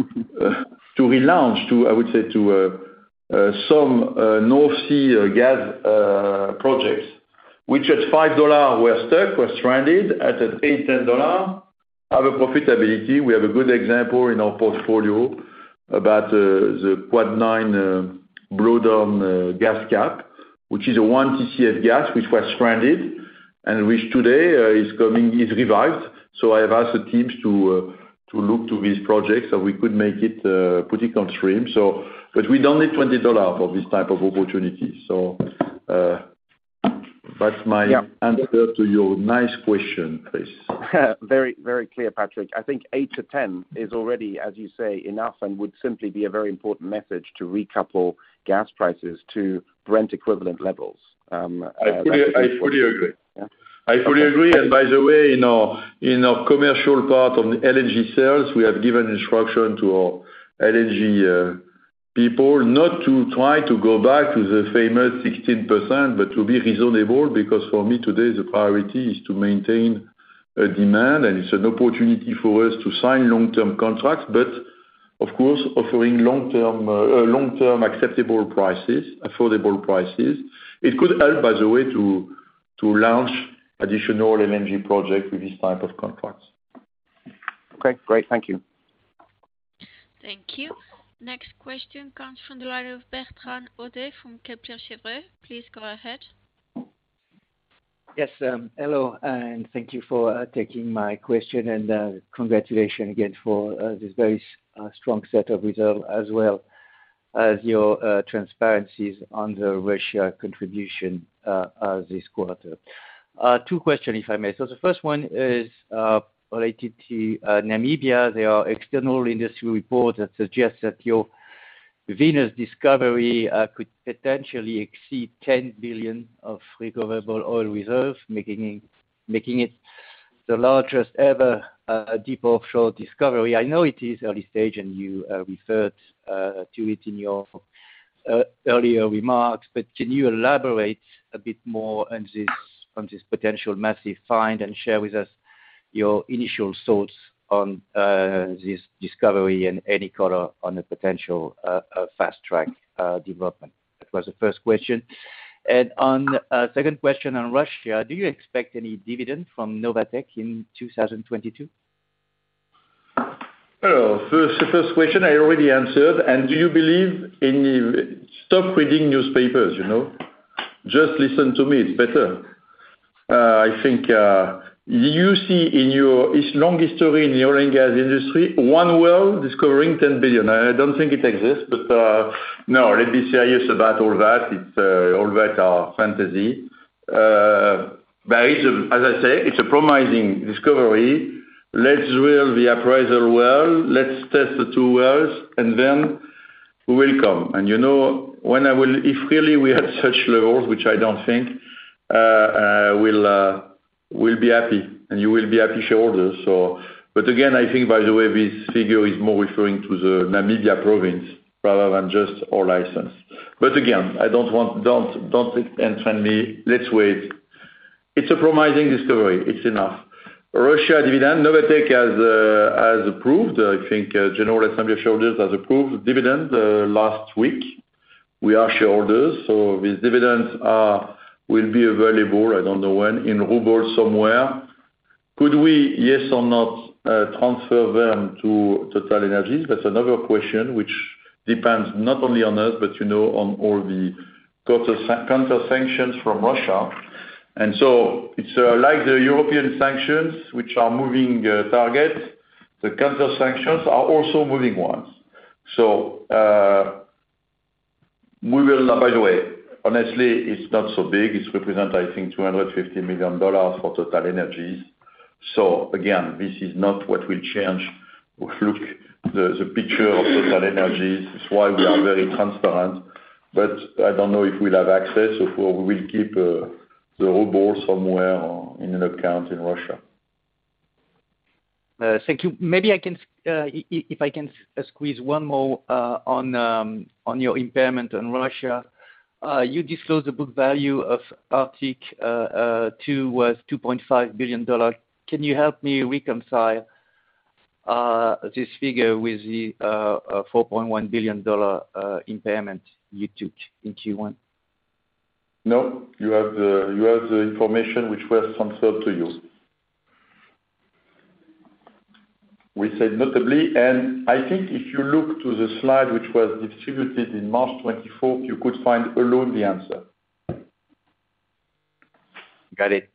relaunch, I would say, some North Sea gas projects, which at $5 were stuck, were stranded, at $8 to 10 have a profitability. We have a good example in our portfolio about the Quad Nine blow down gas cap, which is a 1 TCF gas which was stranded and which today is coming, is revived. I have asked the teams to look to these projects so we could make it put it on stream. We don't need $20 for this type of opportunity. That's my- Yeah. Answer to your nice question, please. Very, very clear, Patrick. I think eight to 10 is already, as you say, enough, and would simply be a very important message to recouple gas prices to Brent equivalent levels, going forward. I fully agree. Yeah. Okay. I fully agree. By the way, in our commercial part on the LNG sales, we have given instruction to our LNG people not to try to go back to the famous 16%, but to be reasonable, because for me today, the priority is to maintain a demand, and it's an opportunity for us to sign long-term contracts. Of course, offering long-term acceptable prices, affordable prices. It could help, by the way, to launch additional LNG project with this type of contracts. Okay, great. Thank you. Thank you. Next question comes from the line of Bertrand Hodée from Kepler Cheuvreux. Please go ahead. Yes, hello, and thank you for taking my question, and congratulations again for this very strong set of results, as well as your transparency on the Russia contribution this quarter. Two questions, if I may. The first one is related to Namibia. There are external industry reports that suggest that your Venus discovery could potentially exceed 10 billion of recoverable oil reserves, making it the largest ever deep offshore discovery. I know it is early stage, and you referred to it in your earlier remarks, but can you elaborate a bit more on this potential massive find, and share with us your initial thoughts on this discovery and any color on the potential fast track development? That was the first question. On second question on Russia, do you expect any dividend from Novatek in 2022? Well, first, the first question I already answered. Do you believe any? Stop reading newspapers, you know? Just listen to me. It's better. I think you see in its long history in the oil and gas industry, one well discovering 10 billion. I don't think it exists, but no, let me be serious about all that. It's all that are fantasy. But it is, as I say, it's a promising discovery. Let's drill the appraisal well, let's test the two wells, and then we will come. You know, when I will if really we had such levels, which I don't think, we'll be happy, and you will be happy shareholders, so. Again, I think by the way, this figure is more referring to the Namibia province rather than just our license. Again, I don't want to excite me. Let's wait. It's a promising discovery. It's enough. Russia dividend, Novatek has approved, I think, general assembly of shareholders has approved dividend last week. We are shareholders, so these dividends will be available, I don't know when, in rubles somewhere. Could we, yes or not, transfer them to TotalEnergies? That's another question which depends not only on us, but you know, on all the counter-sanctions from Russia. It's like the European sanctions, which are moving targets. The counter sanctions are also moving ones. We will. By the way, honestly, it's not so big. It represent, I think, $250 million for TotalEnergies. So again, this is not what will change or look the picture of TotalEnergies. That's why we are very transparent. I don't know if we'll have access or if we will keep the rubles somewhere or in an account in Russia. Thank you. Maybe I can squeeze one more on your impairment on Russia. You disclosed the book value of Arctic LNG 2 was $20.5 billion. Can you help me reconcile? This figure with the $4.1 billion impairment you took in Q1. No, you have the information which was transferred to you. We said notably. I think if you look to the slide which was distributed in March 24th, you could find alone the answer. Got it.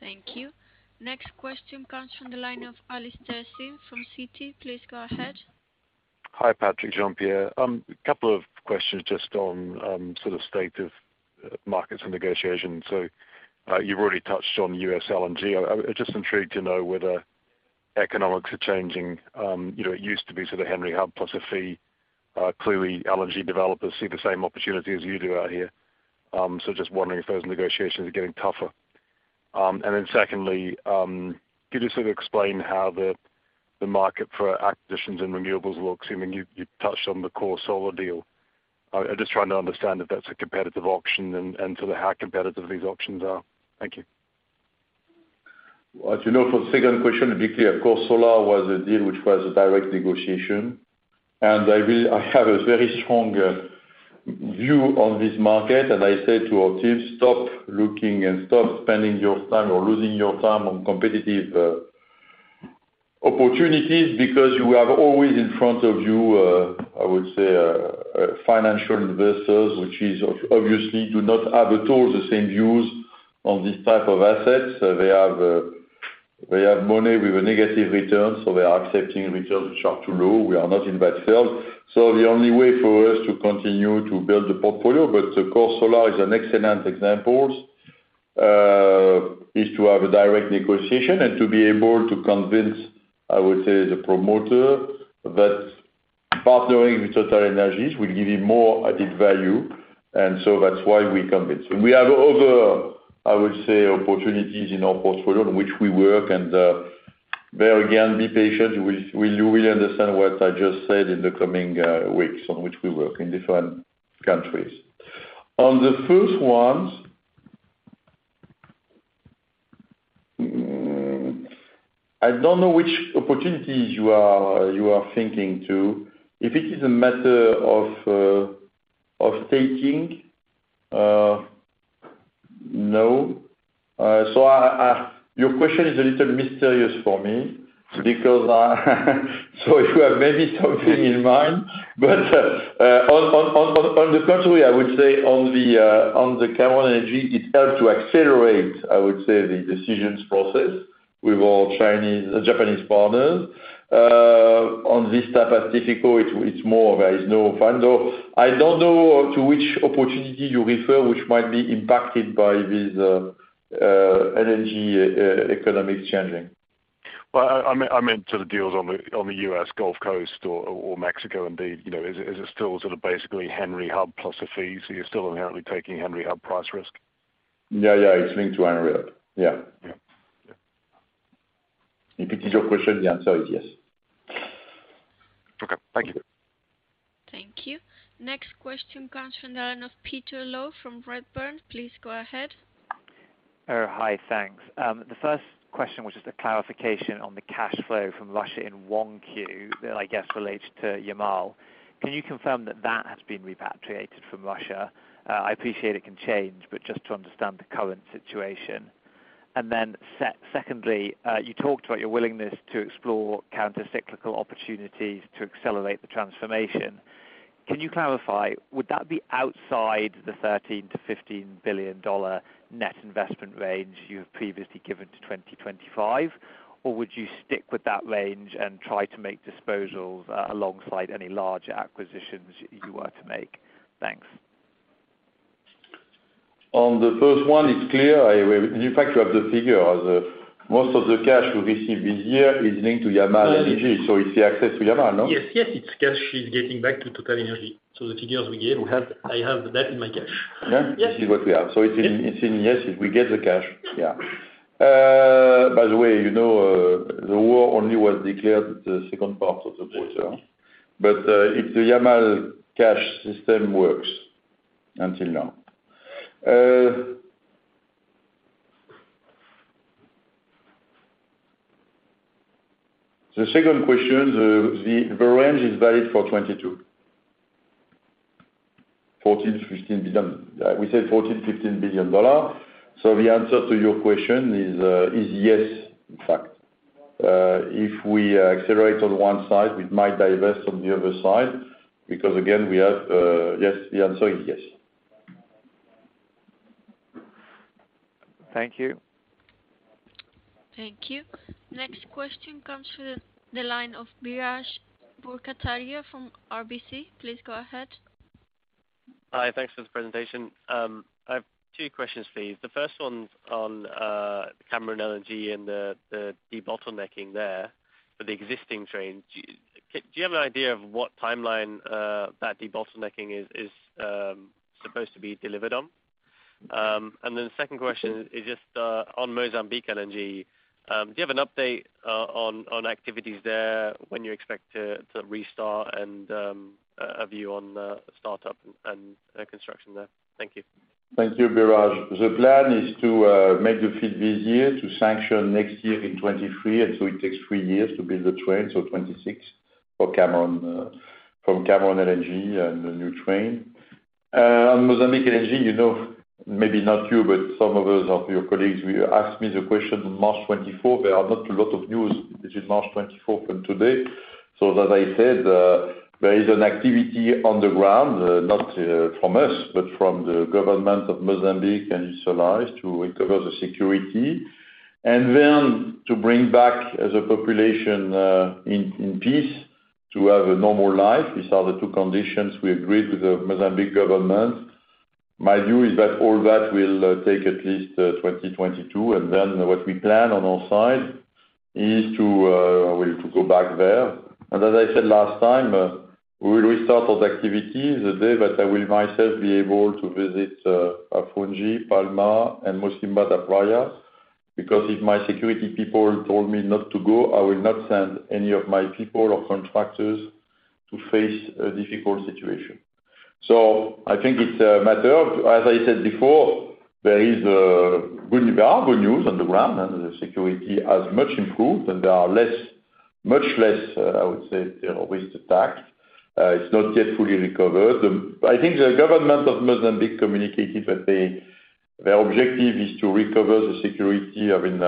Thank you. Next question comes from the line of Alastair Syme from Citi. Please go ahead. Hi, Patrick, Jean-Pierre. A couple of questions just on sort of state of markets and negotiations. You've already touched on U.S. LNG. I'm just intrigued to know whether economics are changing. You know, it used to be sort of Henry Hub plus a fee. Clearly LNG developers see the same opportunity as you do out here. Just wondering if those negotiations are getting tougher. Secondly, could you sort of explain how the market for acquisitions and renewables looks? I mean, you touched on the Core Solar deal. I'm just trying to understand if that's a competitive auction and sort of how competitive these options are. Thank you. As you know, for the second question, to be clear, Core Solar was a deal which was a direct negotiation. I really have a very strong view on this market, and I said to our team, "Stop looking and stop spending your time or losing your time on competitive opportunities," because you have always in front of you, I would say, financial investors, which obviously do not have at all the same views on this type of assets. They have money with a negative return, so they are accepting returns which are too low. We are not in that field. The only way for us to continue to build the portfolio, but the Core Solar is an excellent example, is to have a direct negotiation and to be able to convince, I would say, the promoter that partnering with TotalEnergies will give you more added value. That's why we come in. We have other, I would say, opportunities in our portfolio which we work and, there again, be patient. You will understand what I just said in the coming weeks on which we work in different countries. On the first ones, I don't know which opportunities you are thinking to. If it is a matter of of taking no. Your question is a little mysterious for me because you have maybe something in mind. On the contrary, I would say on the Cameron LNG, it helped to accelerate, I would say, the decision process with our Japanese partners. On this type of difficult, it's more there is no fund. I don't know to which opportunity you refer which might be impacted by this LNG economic changing. Well, I meant to the deals on the U.S. Gulf Coast or Mexico indeed. You know, is it still sort of basically Henry Hub plus a fee? You're still apparently taking Henry Hub price risk? Yeah, yeah, it's linked to Henry Hub. Yeah. Yeah. If it is your question, the answer is yes. Okay, thank you. Thank you. Next question comes from the line of Peter Low from Redburn. Please go ahead. The first question was just a clarification on the cash flow from Russia in 1Q that I guess relates to Yamal. Can you confirm that that has been repatriated from Russia? I appreciate it can change, but just to understand the current situation. Secondly, you talked about your willingness to explore counter-cyclical opportunities to accelerate the transformation. Can you clarify, would that be outside the $13 to 15 billion net investment range you have previously given to 2025? Or would you stick with that range and try to make disposals alongside any large acquisitions you were to make? Thanks. On the first one, it's clear. In fact, you have the figure. The most of the cash we receive this year is linked to Yamal LNG. It's the access to Yamal, no? Yes. Yes, its cash is getting back to TotalEnergies. The figures we gave, I have that in my cash. Yeah. Yes. This is what we have. It's in. Yes, we get the cash. Yeah. By the way, you know, the war only was declared the second part of the quarter. Yes. It's the Yamal cash system works until now. The second question, the range is valid for 2022. $14 to 15 billion. We said $14 to 15 billion. The answer to your question is yes, in fact. If we accelerate on one side, we might divest on the other side because again, we have yes, the answer is yes. Thank you. Thank you. Next question comes through the line of Biraj Borkhataria from RBC. Please go ahead. Hi. Thanks for the presentation. I have two questions for you. The first one's on Cameron LNG and the debottlenecking there for the existing trains. Do you have an idea of what timeline that debottlenecking is supposed to be delivered on? The second question is just on Mozambique LNG. Do you have an update on activities there, when you expect to restart and a view on startup and construction there? Thank you. Thank you, Biraj. The plan is to make the FEED this year, to sanction next year in 2023, and it takes three years to build the train, so 2026. For Cameron LNG and the new train. Mozambique LNG, you know, maybe not you, but some of your colleagues will ask me the question March 2024, there are not a lot of news between March 2024 and today. As I said, there is an activity on the ground, not from us, but from the government of Mozambique and its allies to recover the security. Then to bring back the population in peace to have a normal life. These are the two conditions we agreed with the Mozambique government. My view is that all that will take at least 2022, and then what we plan on our side is to go back there. As I said last time, we will restart all activity the day that I will myself be able to visit Afungi, Palma and Mocimboa da Praia. Because if my security people told me not to go, I will not send any of my people or contractors to face a difficult situation. I think it's a matter of, as I said before, there are good news on the ground, and the security has much improved, and there are less, much less, I would say, you know, recent attack. It's not yet fully recovered. I think the government of Mozambique communicated that they, their objective is to recover the security, I mean,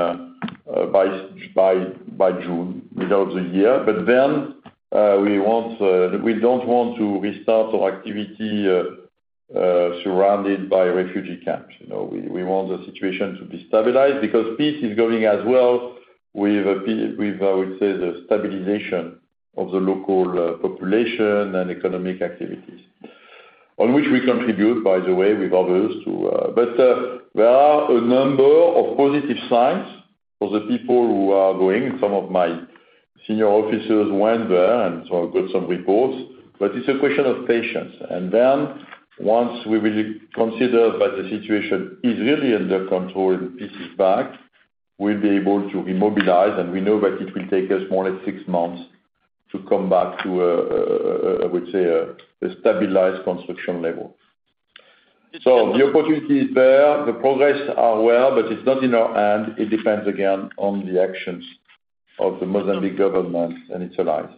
by June, middle of the year. We want, we don't want to restart our activity surrounded by refugee camps. You know, we want the situation to be stabilized because peace is going as well with, I would say, the stabilization of the local population and economic activities. On which we contribute, by the way, with others to. There are a number of positive signs for the people who are going. Some of my senior officers went there, and so I've got some reports. It's a question of patience. Once we will consider that the situation is really under control and peace is back, we'll be able to remobilize, and we know that it will take us more than 6 months to come back to, I would say, a stabilized construction level. The opportunity is there, the progress are well, but it's not in our hand. It depends, again, on the actions of the Mozambique government and its allies.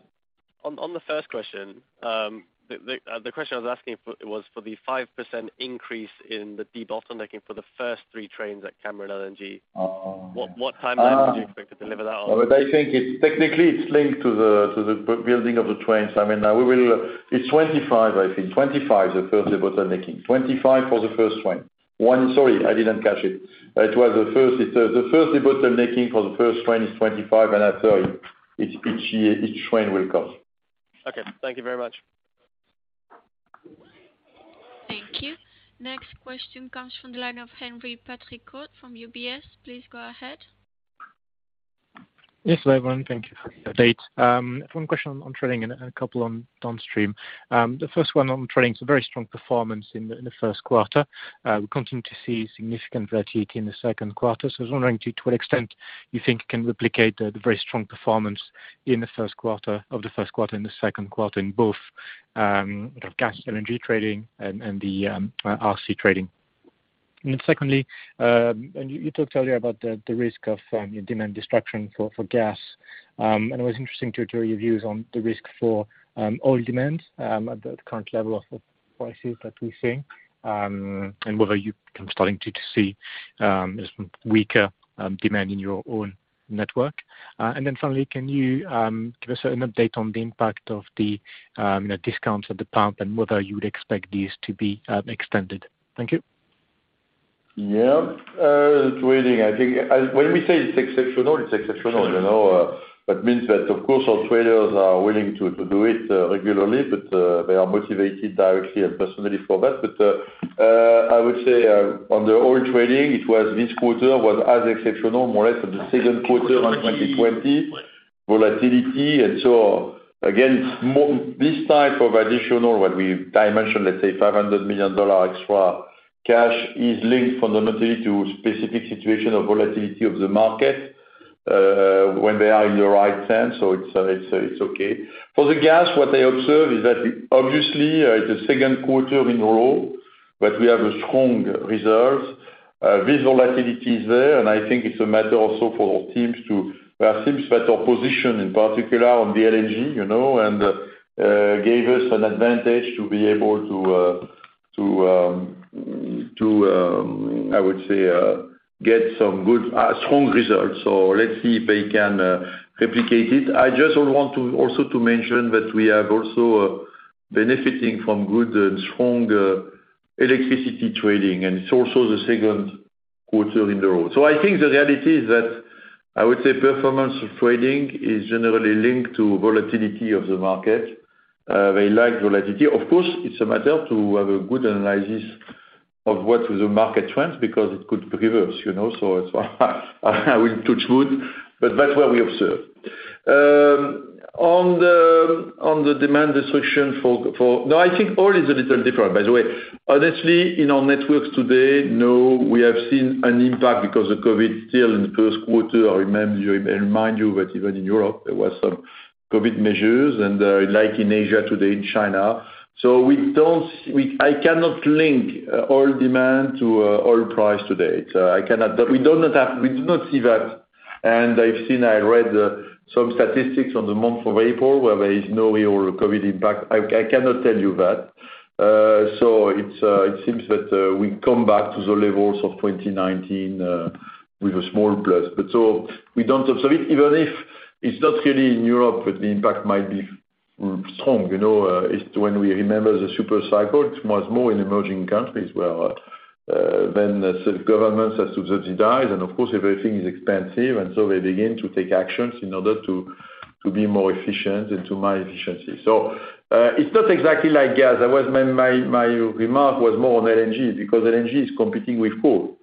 On the first question, the question I was asking for was for the 5% increase in the debottlenecking for the first three trains at Cameron LNG. Oh. What timeline would you expect to deliver that on? I think it's technically linked to the building of the trains. I mean, it's $25, I think. $25 for the first debottlenecking for the first train. Sorry, I didn't catch it. It was the first debottlenecking for the first train is $25, and after, each train will cost. Okay, thank you very much. Thank you. Next question comes from the line of Henri Patricot from UBS. Please go ahead. Yes, everyone. Thank you for the update. One question on trading and a couple on downstream. The first one on trading, it's a very strong performance in the Q1. We continue to see significant volatility in the Q2. I was wondering to what extent you think it can replicate the very strong performance in the Q1 in the Q2 in both gas LNG trading and the RC trading. Secondly, you talked earlier about the risk of your demand destruction for gas. It was interesting to hear your views on the risk for oil demand at the current level of prices that we're seeing, and whether you are starting to see some weaker demand in your own network. Finally, can you give us an update on the impact of the you know, discounts at the pump and whether you would expect these to be extended? Thank you. Yeah. Trading, I think. When we say it's exceptional, it's exceptional, you know. That means that of course our traders are willing to do it regularly, but I would say on the oil trading, it was this quarter as exceptional more or less than Q2 of 2020. Volatility and so on. Again, it's more. This type of additional, what we I mentioned, let's say, $500 million extra cash is linked fundamentally to specific situation of volatility of the market, when they are in the right sense, so it's okay. For the gas, what I observe is that obviously, it's Q2 in a row that we have strong results. This volatility is there, and I think it's a matter also for our teams better position in particular on the LNG, you know, and gave us an advantage to be able to I would say get some good strong results. Let's see if they can replicate it. I just want to also to mention that we are also benefiting from good and strong electricity trading, and it's also Q2 in a row. I think the reality is that, I would say, performance of trading is generally linked to volatility of the market. They like volatility. Of course, it's a matter to have a good analysis of what is the market trends, because it could reverse, you know. It's. I will touch wood, but that's what we observe. On the demand destruction. No, I think oil is a little different. By the way, honestly, in our networks today, we have seen an impact because of COVID still in Q1. I remind you that even in Europe there was some COVID measures, and like in Asia today, in China. I cannot link oil demand to oil price today. I cannot. We do not see that. I've seen, I read some statistics on the month of April, where there is no real COVID impact. I cannot tell you that. It seems that we come back to the levels of 2019 with a small plus. We don't observe it. Even if it's not really in Europe, but the impact might be strong. You know, it's when we remember the super cycle, it was more in emerging countries where then the sort of governments have to subsidize, and of course, everything is expensive, and so they begin to take actions in order to be more efficient and to improve efficiency. It's not exactly like gas. That was my remark was more on LNG because LNG is competing with coal.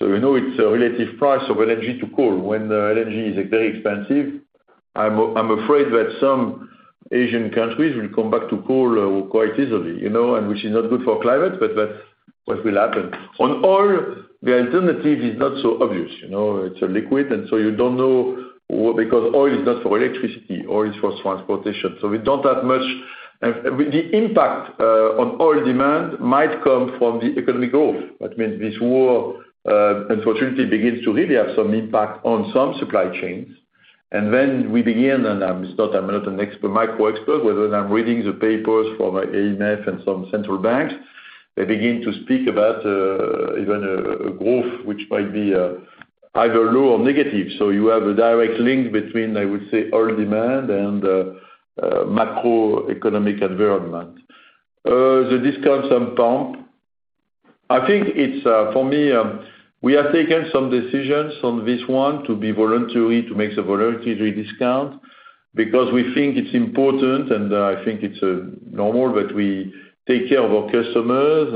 We know it's a relative price of LNG to coal. When the LNG is very expensive, I'm afraid that some Asian countries will come back to coal quite easily, you know, and which is not good for climate, but that's what will happen. On oil, the alternative is not so obvious, you know. It's a liquid, you don't know because oil is not for electricity, oil is for transportation. We don't have much. The impact on oil demand might come from the economic growth. That means this war unfortunately begins to really have some impact on some supply chains. We begin, and I'm not a macro expert, but when I'm reading the papers from the IMF and some central banks, they begin to speak about even a growth which might be either low or negative. You have a direct link between, I would say, oil demand and macroeconomic environment. The discounts at the pump. I think it's for me we have taken some decisions on this one to be voluntary to make the voluntary discount because we think it's important and I think it's normal that we take care of our customers.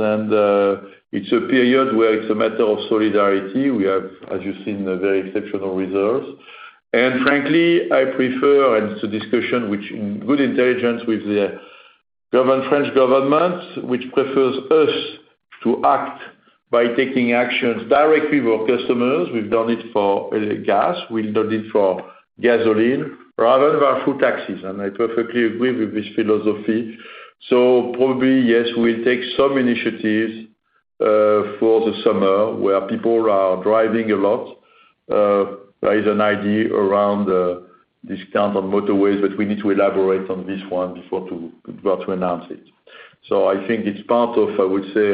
It's a period where it's a matter of solidarity. We have, as you've seen, a very exceptional reserves. Frankly, I prefer, and it's a discussion with good intelligence with the government, French government, which prefers us to act by taking actions directly with customers. We've done it for gas, we've done it for gasoline rather than through taxes. I perfectly agree with this philosophy. Probably, yes, we'll take some initiatives for the summer where people are driving a lot. There is an idea around discount on motorways, but we need to elaborate on this one before to announce it. I think it's part of, I would say,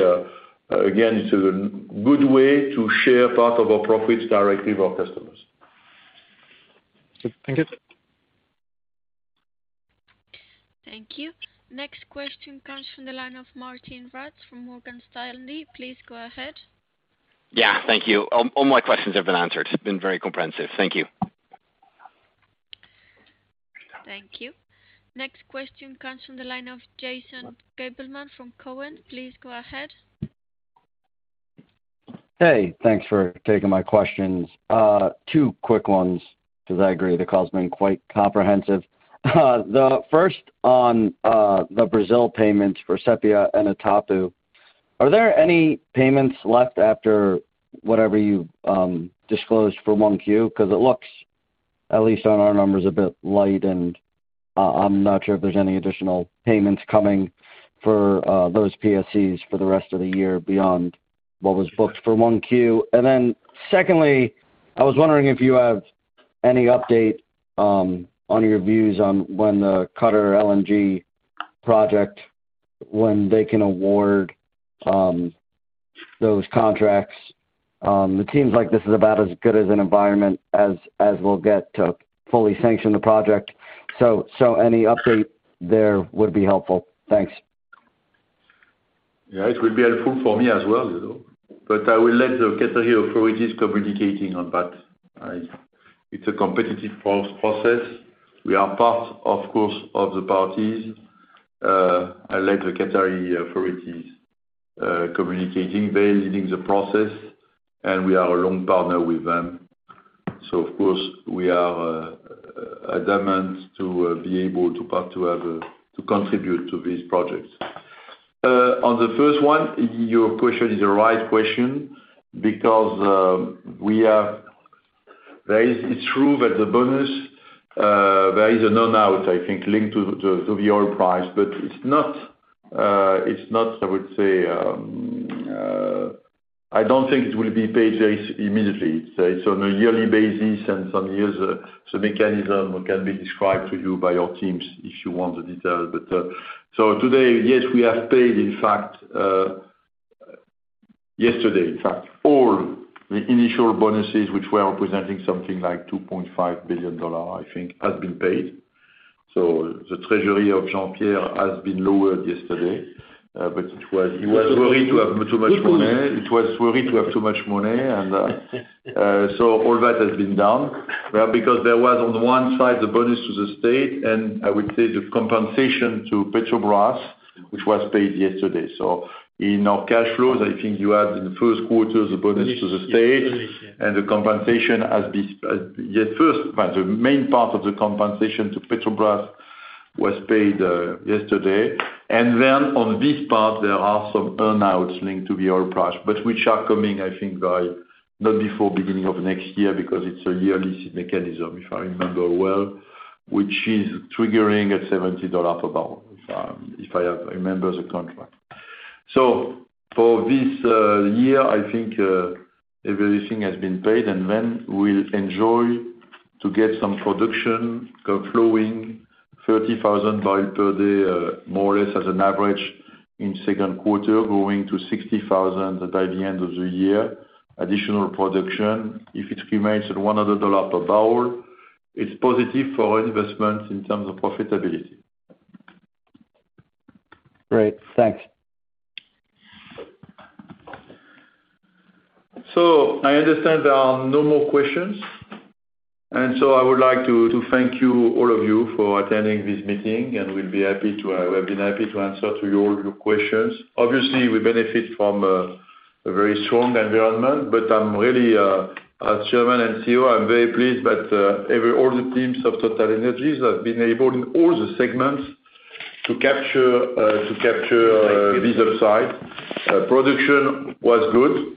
again, it's a good way to share part of our profits directly with our customers. Thank you. Thank you. Next question comes from the line of Martijn Rats from Morgan Stanley. Please go ahead. Yeah, thank you. All my questions have been answered. Been very comprehensive. Thank you. Thank you. Next question comes from the line of Jason Gabelman from Cowen. Please go ahead. Hey, thanks for taking my questions. Two quick ones, 'cause I agree, the call's been quite comprehensive. The first on, the Brazil payments for Sépia and Atapu. Are there any payments left after whatever you disclosed for Q1? 'Cause it looks, at least on our numbers, a bit light, and I'm not sure if there's any additional payments coming for those PSCs for the rest of the year beyond what was booked for Q1. Secondly, I was wondering if you have any update on your views on when the Qatar LNG project, when they can award those contracts. It seems like this is about as good as an environment as we'll get to fully sanction the project. Any update there would be helpful. Thanks. Yeah, it would be helpful for me as well, you know. I will let the Qatari authorities communicate on that. It's a competitive process. We are part of the parties, of course. I'll let the Qatari authorities communicate. They're leading the process, and we are a long partner with them. Of course, we are adamant to contribute to this project. On the first one, your question is the right question because it's true that the bonus, there is no doubt, I think, linked to the oil price, but it's not, I would say, I don't think it will be paid immediately. It's on a yearly basis, and some years the mechanism can be described to you by your teams if you want the details. So today, yes, we have paid, in fact, yesterday, in fact, all the initial bonuses, which were representing something like $2.5 billion, I think, has been paid. The treasury of Jean-Pierre has been lowered yesterday. But he was worried to have too much money and so all that has been done. Well, because there was on the one side the bonus to the state, and I would say the compensation to Petrobras, which was paid yesterday. In our cash flows, I think you had in Q1 the bonus to the state and the compensation has been paid first, but the main part of the compensation to Petrobras was paid yesterday. Then on this part, there are some earn-outs linked to the oil price, but which are coming, I think, not before beginning of next year because it's a yearly mechanism, if I remember well, which is triggering at $70 per barrel, if I remember the contract. For this year, I think everything has been paid, and then we'll enjoy to get some production flowing 30,000 barrels per day, more or less as an average in Q2, growing to 60,000 by the end of the year. Additional production, if it remains at $100 per barrel, it's positive for our investments in terms of profitability. Great. Thanks. I understand there are no more questions. I would like to thank you, all of you, for attending this meeting, and we've been happy to answer all of your questions. Obviously, we benefit from a very strong environment, but I'm really, as Chairman and CEO, I'm very pleased that all the teams of TotalEnergies have been able, in all the segments, to capture this upside. Production was good,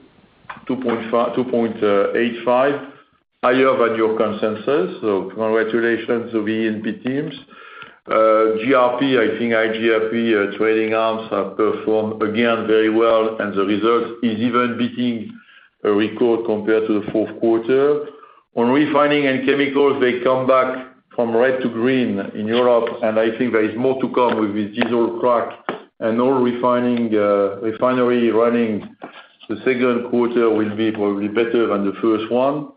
2.85, higher than your consensus, so congratulations to the E&P teams. iGRP trading arms have performed again very well, and the result is even beating a record compared to Q4. On refining and chemicals, they come back from red to green in Europe, and I think there is more to come with the diesel crack and all refining, refinery running. Q2 will be probably better than the first one.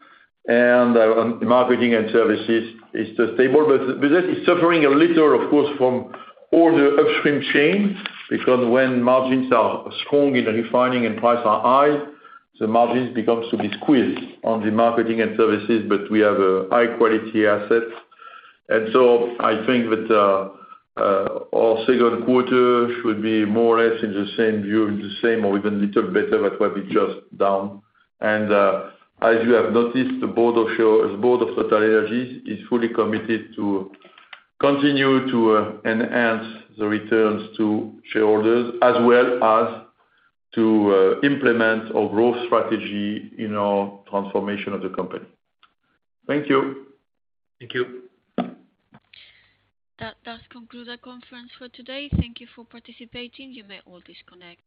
On marketing and services is just stable. Business is suffering a little, of course, from all the upstream chains. Because when margins are strong in refining and prices are high, the margins becomes to be squeezed on the marketing and services, but we have high quality assets. I think that our Q2 should be more or less in the same vein, in the same or even little better than what we just done. as you have noticed, the board of TotalEnergies is fully committed to continue to enhance the returns to shareholders, as well as to implement our growth strategy in our transformation of the company. Thank you. Thank you. That does conclude our conference for today. Thank you for participating. You may all disconnect.